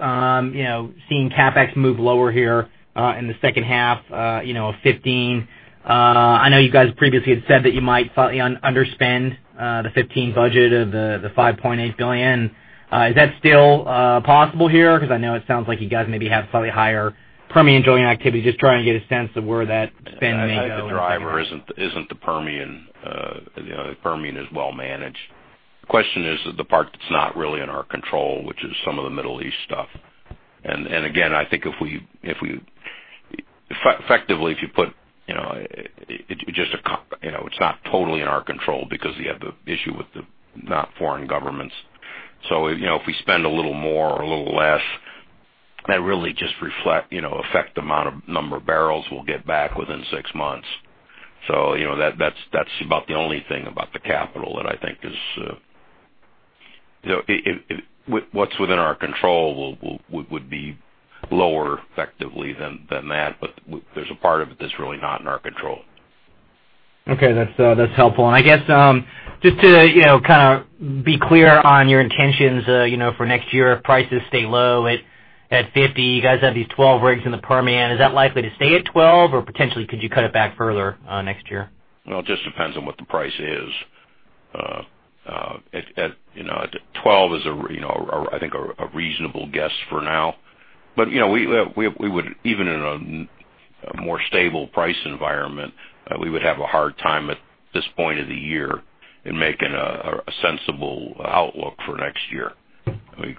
seeing CapEx move lower here in the second half of 2015. I know you guys previously had said that you might under-spend the 2015 budget of the $5.8 billion. Is that still possible here? I know it sounds like you guys maybe have slightly higher Permian drilling activity. Just trying to get a sense of where that spend may go. I think the driver isn't the Permian. The Permian is well managed. The question is, the part that's not really in our control, which is some of the Middle East stuff. Again, I think effectively, it's not totally in our control because you have the issue with the foreign governments. If we spend a little more or a little less, that really just affect the amount of number of barrels we'll get back within six months. That's about the only thing about the capital that I think is What's within our control would be lower effectively than that. There's a part of it that's really not in our control. Okay. That's helpful. I guess, just to be clear on your intentions for next year, if prices stay low at $50, you guys have these 12 rigs in the Permian. Is that likely to stay at 12, or potentially could you cut it back further next year? Well, it just depends on what the price is. 12 is, I think, a reasonable guess for now. Even in a more stable price environment, we would have a hard time at this point of the year in making a sensible outlook for next year.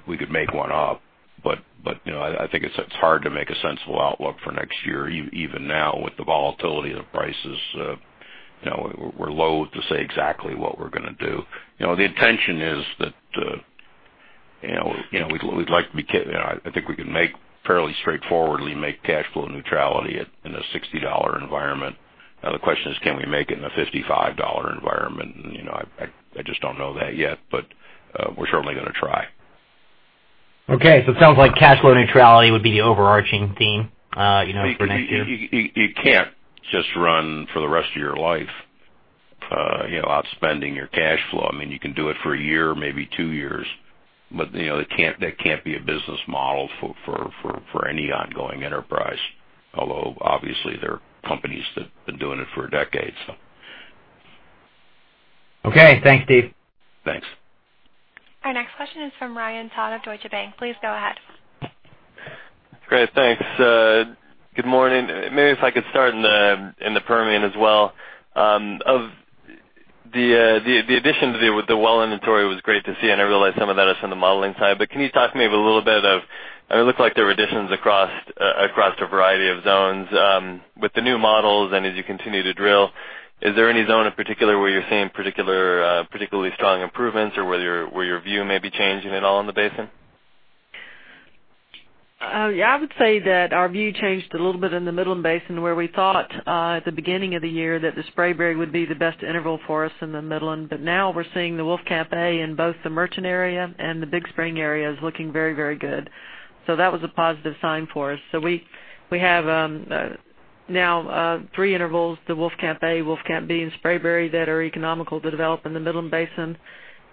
We could make one up, but I think it's hard to make a sensible outlook for next year. Even now with the volatility of the prices, we're loathe to say exactly what we're going to do. The intention is that I think we can fairly straightforwardly make cash flow neutrality in a $60 environment. The question is, can we make it in a $55 environment? I just don't know that yet, but we're certainly going to try. Okay. It sounds like cash flow neutrality would be the overarching theme for next year. You can't just run for the rest of your life outspending your cash flow. You can do it for a year, maybe two years. That can't be a business model for any ongoing enterprise. Although obviously there are companies that have been doing it for decades. Okay. Thanks, Steve. Thanks. Our next question is from Ryan Todd of Deutsche Bank. Please go ahead. Great. Thanks. Good morning. Maybe if I could start in the Permian as well. The addition to the well inventory was great to see, and I realize some of that is from the modeling side. Can you talk to me? It looked like there were additions across a variety of zones. With the new models and as you continue to drill, is there any zone in particular where you're seeing particularly strong improvements or where your view may be changing at all in the basin? Yeah, I would say that our view changed a little bit in the Midland Basin, where we thought at the beginning of the year that the Spraberry would be the best interval for us in the Midland. Now we're seeing the Wolfcamp A in both the Merchant area and the Big Spring area is looking very good. That was a positive sign for us. We have now three intervals, the Wolfcamp A, Wolfcamp B, and Spraberry that are economical to develop in the Midland Basin.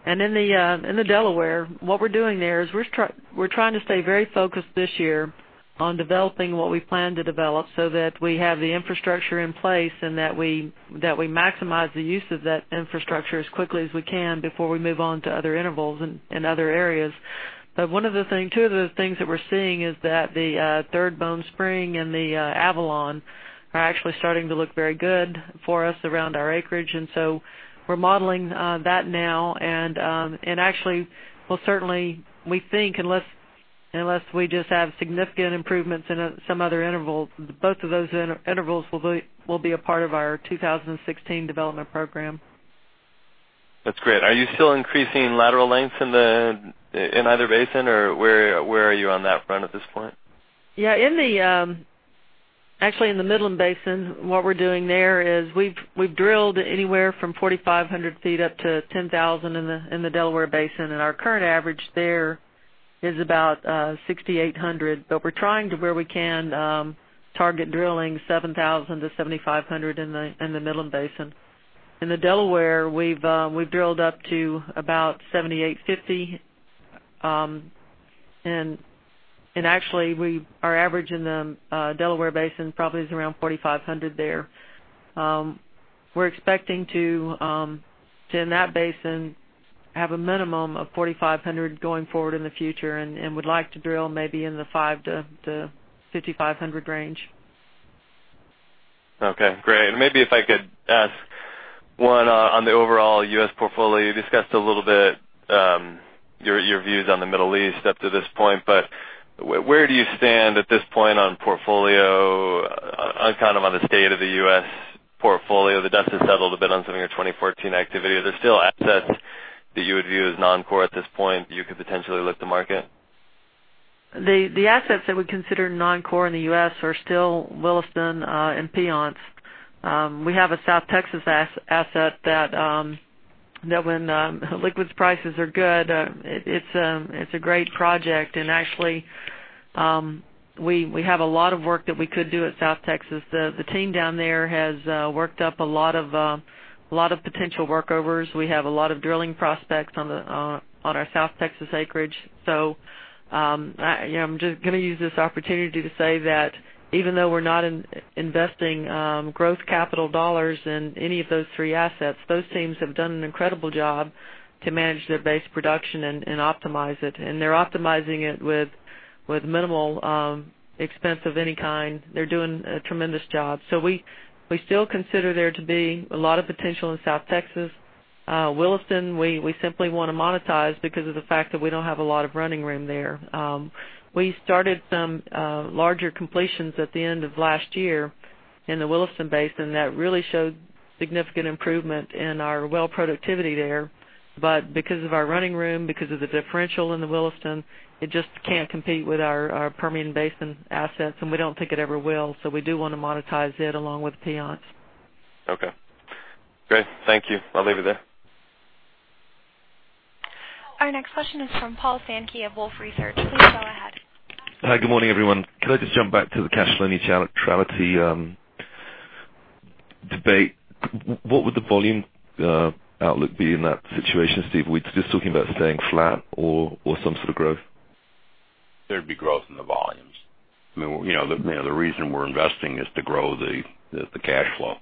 In the Delaware, what we're doing there is we're trying to stay very focused this year on developing what we plan to develop so that we have the infrastructure in place and that we maximize the use of that infrastructure as quickly as we can before we move on to other intervals and other areas. Two of the things that we're seeing is that the Third Bone Spring and the Avalon are actually starting to look very good for us around our acreage. We're modeling that now. Actually, we'll certainly, we think, unless we just have significant improvements in some other intervals, both of those intervals will be a part of our 2016 development program. That's great. Are you still increasing lateral lengths in either basin, or where are you on that front at this point? Yeah, actually in the Midland Basin, what we're doing there is we've drilled anywhere from 4,500 feet up to 10,000 in the Delaware Basin, and our current average there is about 6,800. We're trying to, where we can, target drilling 7,000-7,500 in the Midland Basin. In the Delaware, we've drilled up to about 7,850. Actually, our average in the Delaware Basin probably is around 4,500 there. We're expecting to, in that basin, have a minimum of 4,500 going forward in the future and would like to drill maybe in the 5-5,500 range. Okay, great. Maybe if I could ask one on the overall U.S. portfolio. You discussed a little bit your views on the Middle East up to this point, where do you stand at this point On the state of the U.S. portfolio, the dust has settled a bit on some of your 2014 activity. Are there still assets that you would view as non-core at this point, you could potentially look to market? The assets that we consider non-core in the U.S. are still Williston and Piceance. We have a South Texas asset that when liquids prices are good it's a great project. Actually, we have a lot of work that we could do at South Texas. The team down there has worked up a lot of potential workovers. We have a lot of drilling prospects on our South Texas acreage. I'm just going to use this opportunity to say that even though we're not investing growth capital dollars in any of those three assets, those teams have done an incredible job to manage their base production and optimize it. They're optimizing it with minimal expense of any kind. They're doing a tremendous job. We still consider there to be a lot of potential in South Texas. Williston, we simply want to monetize because of the fact that we don't have a lot of running room there. We started some larger completions at the end of last year in the Williston Basin. That really showed significant improvement in our well productivity there. Because of our running room, because of the differential in the Williston, it just can't compete with our Permian Basin assets, and we don't think it ever will. We do want to monetize it along with Piceance. Okay, great. Thank you. I'll leave it there. Our next question is from Paul Sankey of Wolfe Research. Please go ahead. Hi, good morning, everyone. Can I just jump back to the cash neutrality debate? What would the volume outlook be in that situation, Steve? Are we just talking about staying flat or some sort of growth? There'd be growth in the volumes. The reason we're investing is to grow the cash flow.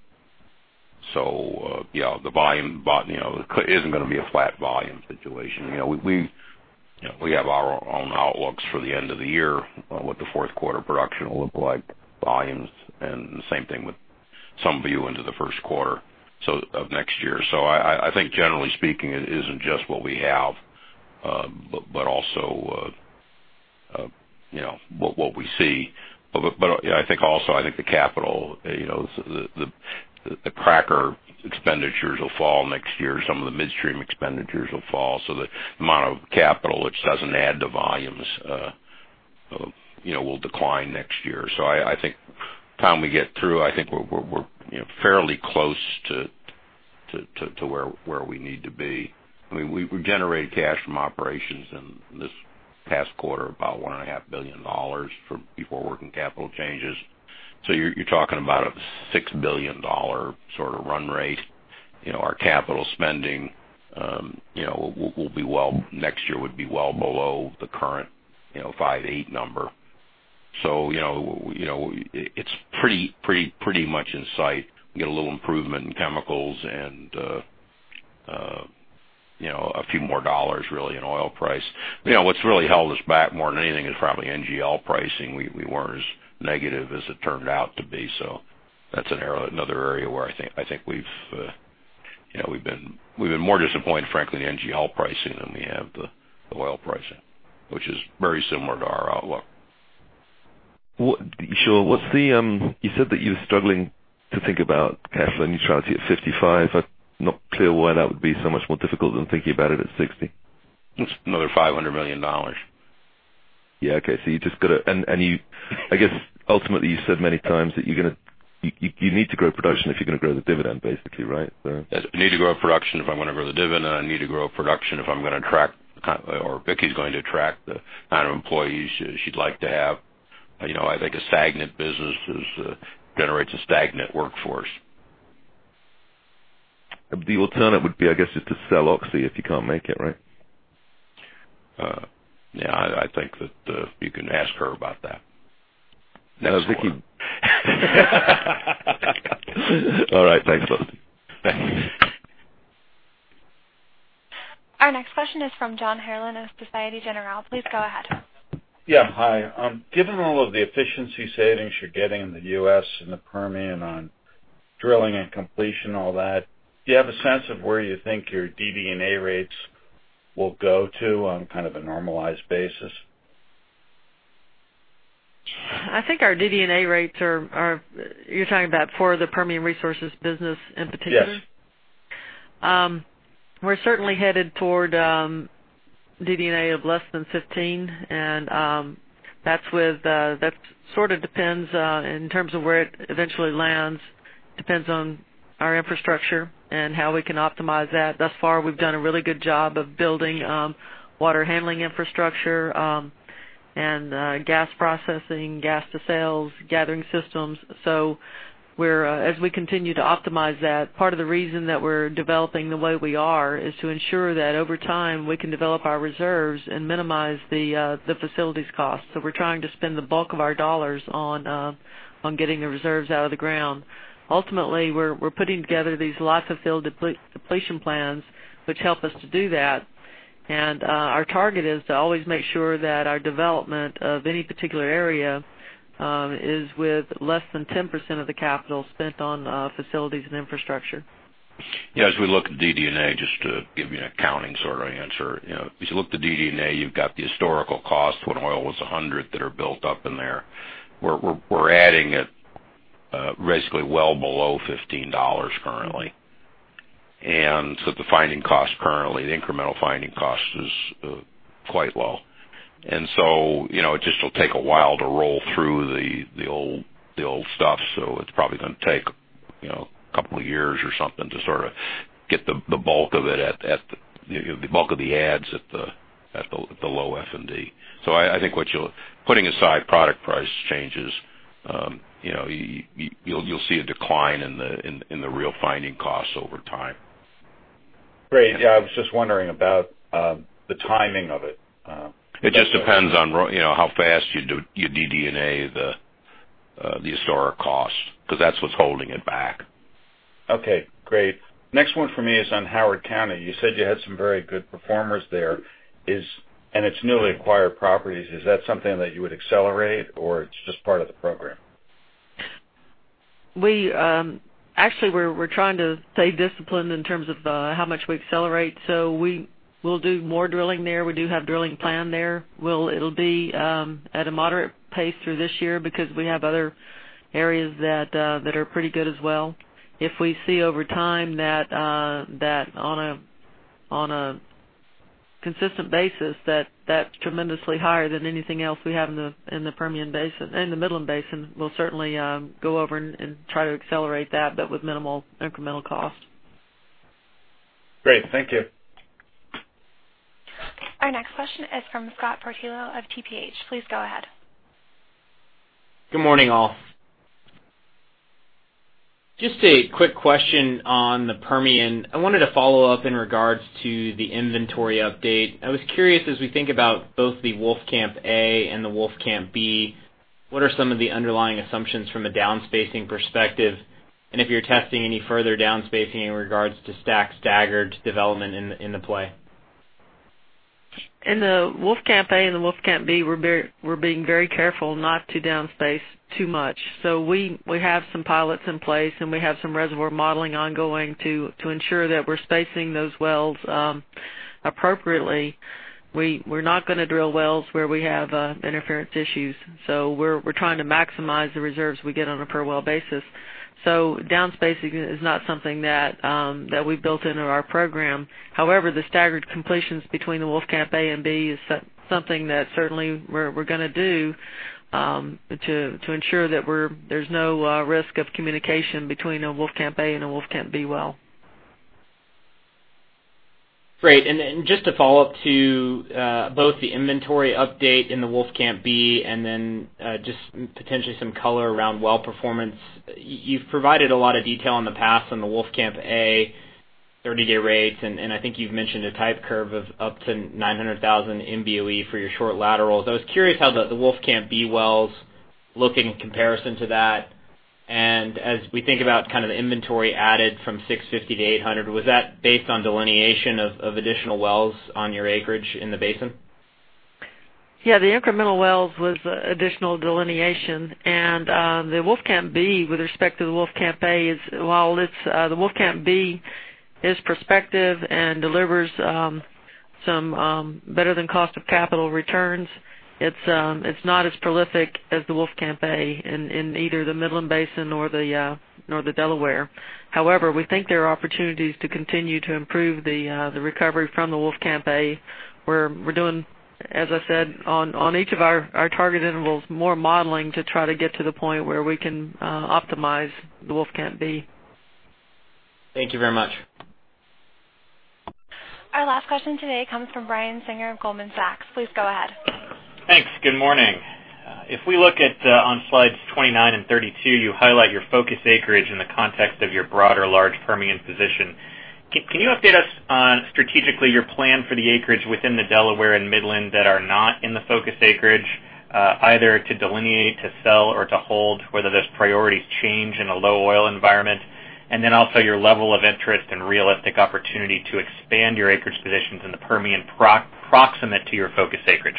It isn't going to be a flat volume situation. We have our own outlooks for the end of the year, what the fourth quarter production will look like, volumes, and the same thing with some view into the first quarter of next year. I think generally speaking, it isn't just what we have, but also what we see. I think also the capital, the cracker expenditures will fall next year. Some of the midstream expenditures will fall. The amount of capital which doesn't add to volumes will decline next year. I think by the time we get through, I think we're fairly close to where we need to be. We generated cash from operations in this past quarter, about $1.5 billion before working capital changes. You're talking about a $6 billion sort of run rate. Our capital spending next year would be well below the current five to eight number. It's pretty much in sight. Get a little improvement in chemicals and a few more dollars, really, in oil price. What's really held us back more than anything is probably NGL pricing. We weren't as negative as it turned out to be. That's another area where I think we've been more disappointed, frankly, in NGL pricing than we have the oil pricing, which is very similar to our outlook. Sure. You said that you're struggling to think about cash neutrality at 55. I'm not clear why that would be so much more difficult than thinking about it at 60. It's another $500 million. Yeah. Okay. I guess ultimately, you said many times that you need to grow production if you're going to grow the dividend, basically, right? Yes. I need to grow production if I'm going to grow the dividend. I need to grow production if Vicki's going to attract the kind of employees she'd like to have. I think a stagnant business generates a stagnant workforce. The alternative would be, I guess, just to sell Oxy if you can't make it, right? Yeah, I think that you can ask her about that. Next one. Vicki. All right, thanks a lot. Thank you. Our next question is from John Herrlin of Societe Generale. Please go ahead. Yeah, hi. Given all of the efficiency savings you're getting in the U.S. and the Permian on drilling and completion, all that, do you have a sense of where you think your DD&A rates will go to on kind of a normalized basis? I think our DD&A rates you're talking about for the Permian Resources business in particular? Yes. We're certainly headed toward DD&A of less than 15. That sort of depends in terms of where it eventually lands. Depends on our infrastructure and how we can optimize that. Thus far, we've done a really good job of building water handling infrastructure and gas processing, gas to sales, gathering systems. As we continue to optimize that, part of the reason that we're developing the way we are is to ensure that over time, we can develop our reserves and minimize the facilities cost. We're trying to spend the bulk of our dollars on getting the reserves out of the ground. Ultimately, we're putting together these life-of-field depletion plans, which help us to do that. Our target is to always make sure that our development of any particular area is with less than 10% of the capital spent on facilities and infrastructure. As we look at DD&A, just to give you an accounting sort of answer. If you look at the DD&A, you've got the historical cost when oil was $100 that are built up in there. We're adding at basically well below $15 currently. The finding cost currently, the incremental finding cost is quite low. It just will take a while to roll through the old stuff. It's probably going to take a couple of years or something to sort of get the bulk of the adds at the low F&D. I think putting aside product price changes, you'll see a decline in the real finding costs over time. Great. Yeah, I was just wondering about the timing of it. It just depends on how fast you do your DD&A, the historic costs, because that's what's holding it back. Okay, great. Next one for me is on Howard County. You said you had some very good performers there, and it's newly acquired properties. Is that something that you would accelerate, or it's just part of the program? Actually, we're trying to stay disciplined in terms of how much we accelerate. We'll do more drilling there. We do have drilling planned there. It'll be at a moderate pace through this year because we have other areas that are pretty good as well. If we see over time that on a consistent basis that's tremendously higher than anything else we have in the Midland Basin, we'll certainly go over and try to accelerate that, but with minimal incremental cost. Great. Thank you. Our next question is from Matt Portillo of TPH. Please go ahead. Good morning, all. Just a quick question on the Permian. I wanted to follow up in regards to the inventory update. I was curious, as we think about both the Wolfcamp A and the Wolfcamp B, what are some of the underlying assumptions from a downspacing perspective? If you're testing any further downspacing in regards to stack staggered development in the play. In the Wolfcamp A and the Wolfcamp B, we're being very careful not to downspace too much. We have some pilots in place, and we have some reservoir modeling ongoing to ensure that we're spacing those wells appropriately. We're not going to drill wells where we have interference issues. We're trying to maximize the reserves we get on a per well basis. Downspacing is not something that we've built into our program. However, the staggered completions between the Wolfcamp A and B is something that certainly we're going to do to ensure that there's no risk of communication between a Wolfcamp A and a Wolfcamp B well. Great. Just to follow up to both the inventory update in the Wolfcamp B and then just potentially some color around well performance. You've provided a lot of detail in the past on the Wolfcamp A 30-day rates, and I think you've mentioned a type curve of up to 900 MBOE for your short laterals. I was curious how the Wolfcamp B wells look in comparison to that. As we think about the inventory added from 650 to 800, was that based on delineation of additional wells on your acreage in the basin? Yeah, the incremental wells was additional delineation. The Wolfcamp B with respect to the Wolfcamp A, the Wolfcamp B is prospective and delivers some better than cost of capital returns. It's not as prolific as the Wolfcamp A in either the Midland Basin or the Delaware. However, we think there are opportunities to continue to improve the recovery from the Wolfcamp A, where we're doing, as I said, on each of our target intervals, more modeling to try to get to the point where we can optimize the Wolfcamp B. Thank you very much. Our last question today comes from Brian Singer of Goldman Sachs. Please go ahead. Thanks. Good morning. If we look at on slides 29 and 32, you highlight your focus acreage in the context of your broader large Permian position. Can you update us on, strategically, your plan for the acreage within the Delaware and Midland that are not in the focus acreage either to delineate, to sell, or to hold, whether those priorities change in a low oil environment? Then also your level of interest and realistic opportunity to expand your acreage positions in the Permian proximate to your focus acreage.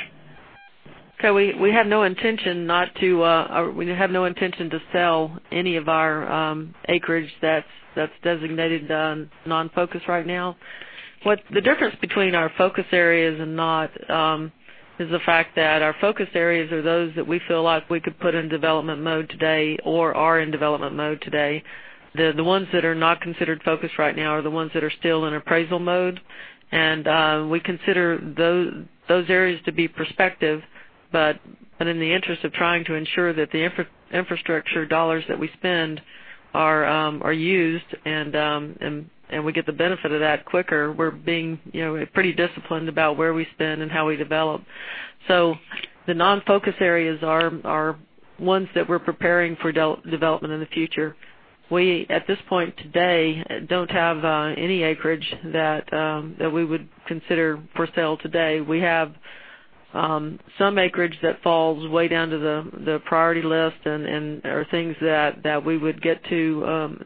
We have no intention to sell any of our acreage that's designated non-focus right now. The difference between our focus areas and not is the fact that our focus areas are those that we feel like we could put in development mode today or are in development mode today. The ones that are not considered focus right now are the ones that are still in appraisal mode. We consider those areas to be prospective, but in the interest of trying to ensure that the infrastructure dollars that we spend are used and we get the benefit of that quicker, we're being pretty disciplined about where we spend and how we develop. The non-focus areas are ones that we're preparing for development in the future. We, at this point today, don't have any acreage that we would consider for sale today. We have some acreage that falls way down to the priority list and are things that we would get to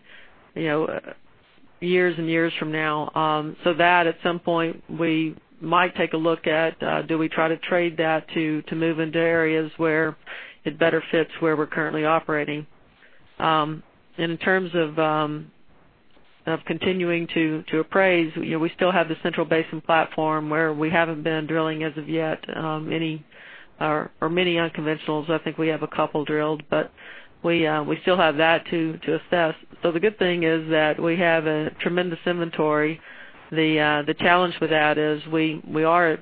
years and years from now. That at some point we might take a look at, do we try to trade that to move into areas where it better fits where we're currently operating? In terms of continuing to appraise. We still have the Central Basin Platform where we haven't been drilling as of yet, or many unconventionals. I think we have a couple drilled, but we still have that to assess. The good thing is that we have a tremendous inventory. The challenge with that is we're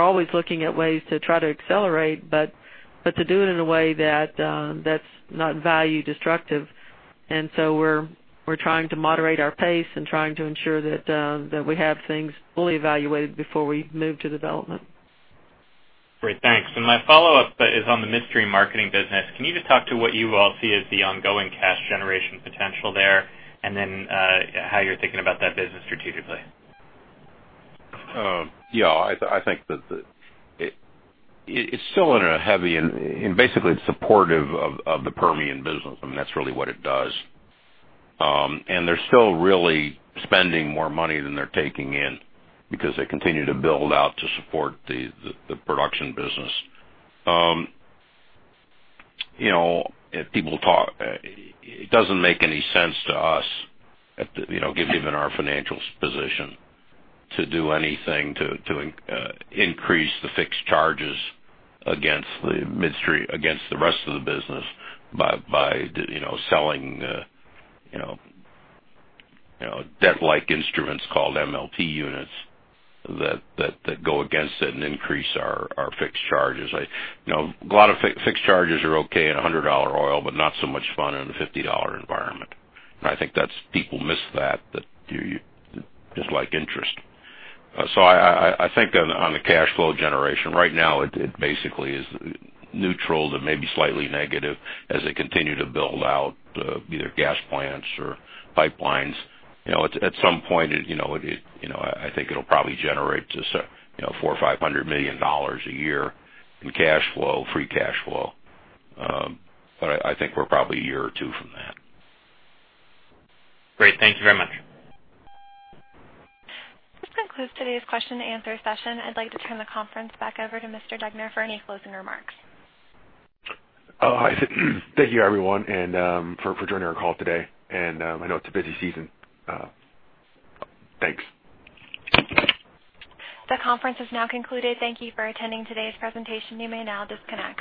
always looking at ways to try to accelerate, but to do it in a way that's not value destructive. We're trying to moderate our pace and trying to ensure that we have things fully evaluated before we move to development. Great, thanks. My follow-up is on the midstream marketing business. Can you just talk to what you all see as the ongoing cash generation potential there, and then how you're thinking about that business strategically? Yeah, I think that it's still in a heavy and basically it's supportive of the Permian business. I mean, that's really what it does. They're still really spending more money than they're taking in because they continue to build out to support the production business. It doesn't make any sense to us, given our financial position, to do anything to increase the fixed charges against the midstream, against the rest of the business by selling debt-like instruments called MLP units that go against it and increase our fixed charges. A lot of fixed charges are okay in $100 oil, but not so much fun in a $50 environment. I think people miss that, just like interest. I think on the cash flow generation, right now, it basically is neutral to maybe slightly negative as they continue to build out either gas plants or pipelines. At some point, I think it'll probably generate just $400 million or $500 million a year in cash flow, free cash flow. I think we're probably a year or two from that. Great. Thank you very much. This concludes today's question and answer session. I'd like to turn the conference back over to Mr. Degner for any closing remarks. Thank you, everyone, and for joining our call today, and I know it's a busy season. Thanks. The conference has now concluded. Thank you for attending today's presentation. You may now disconnect.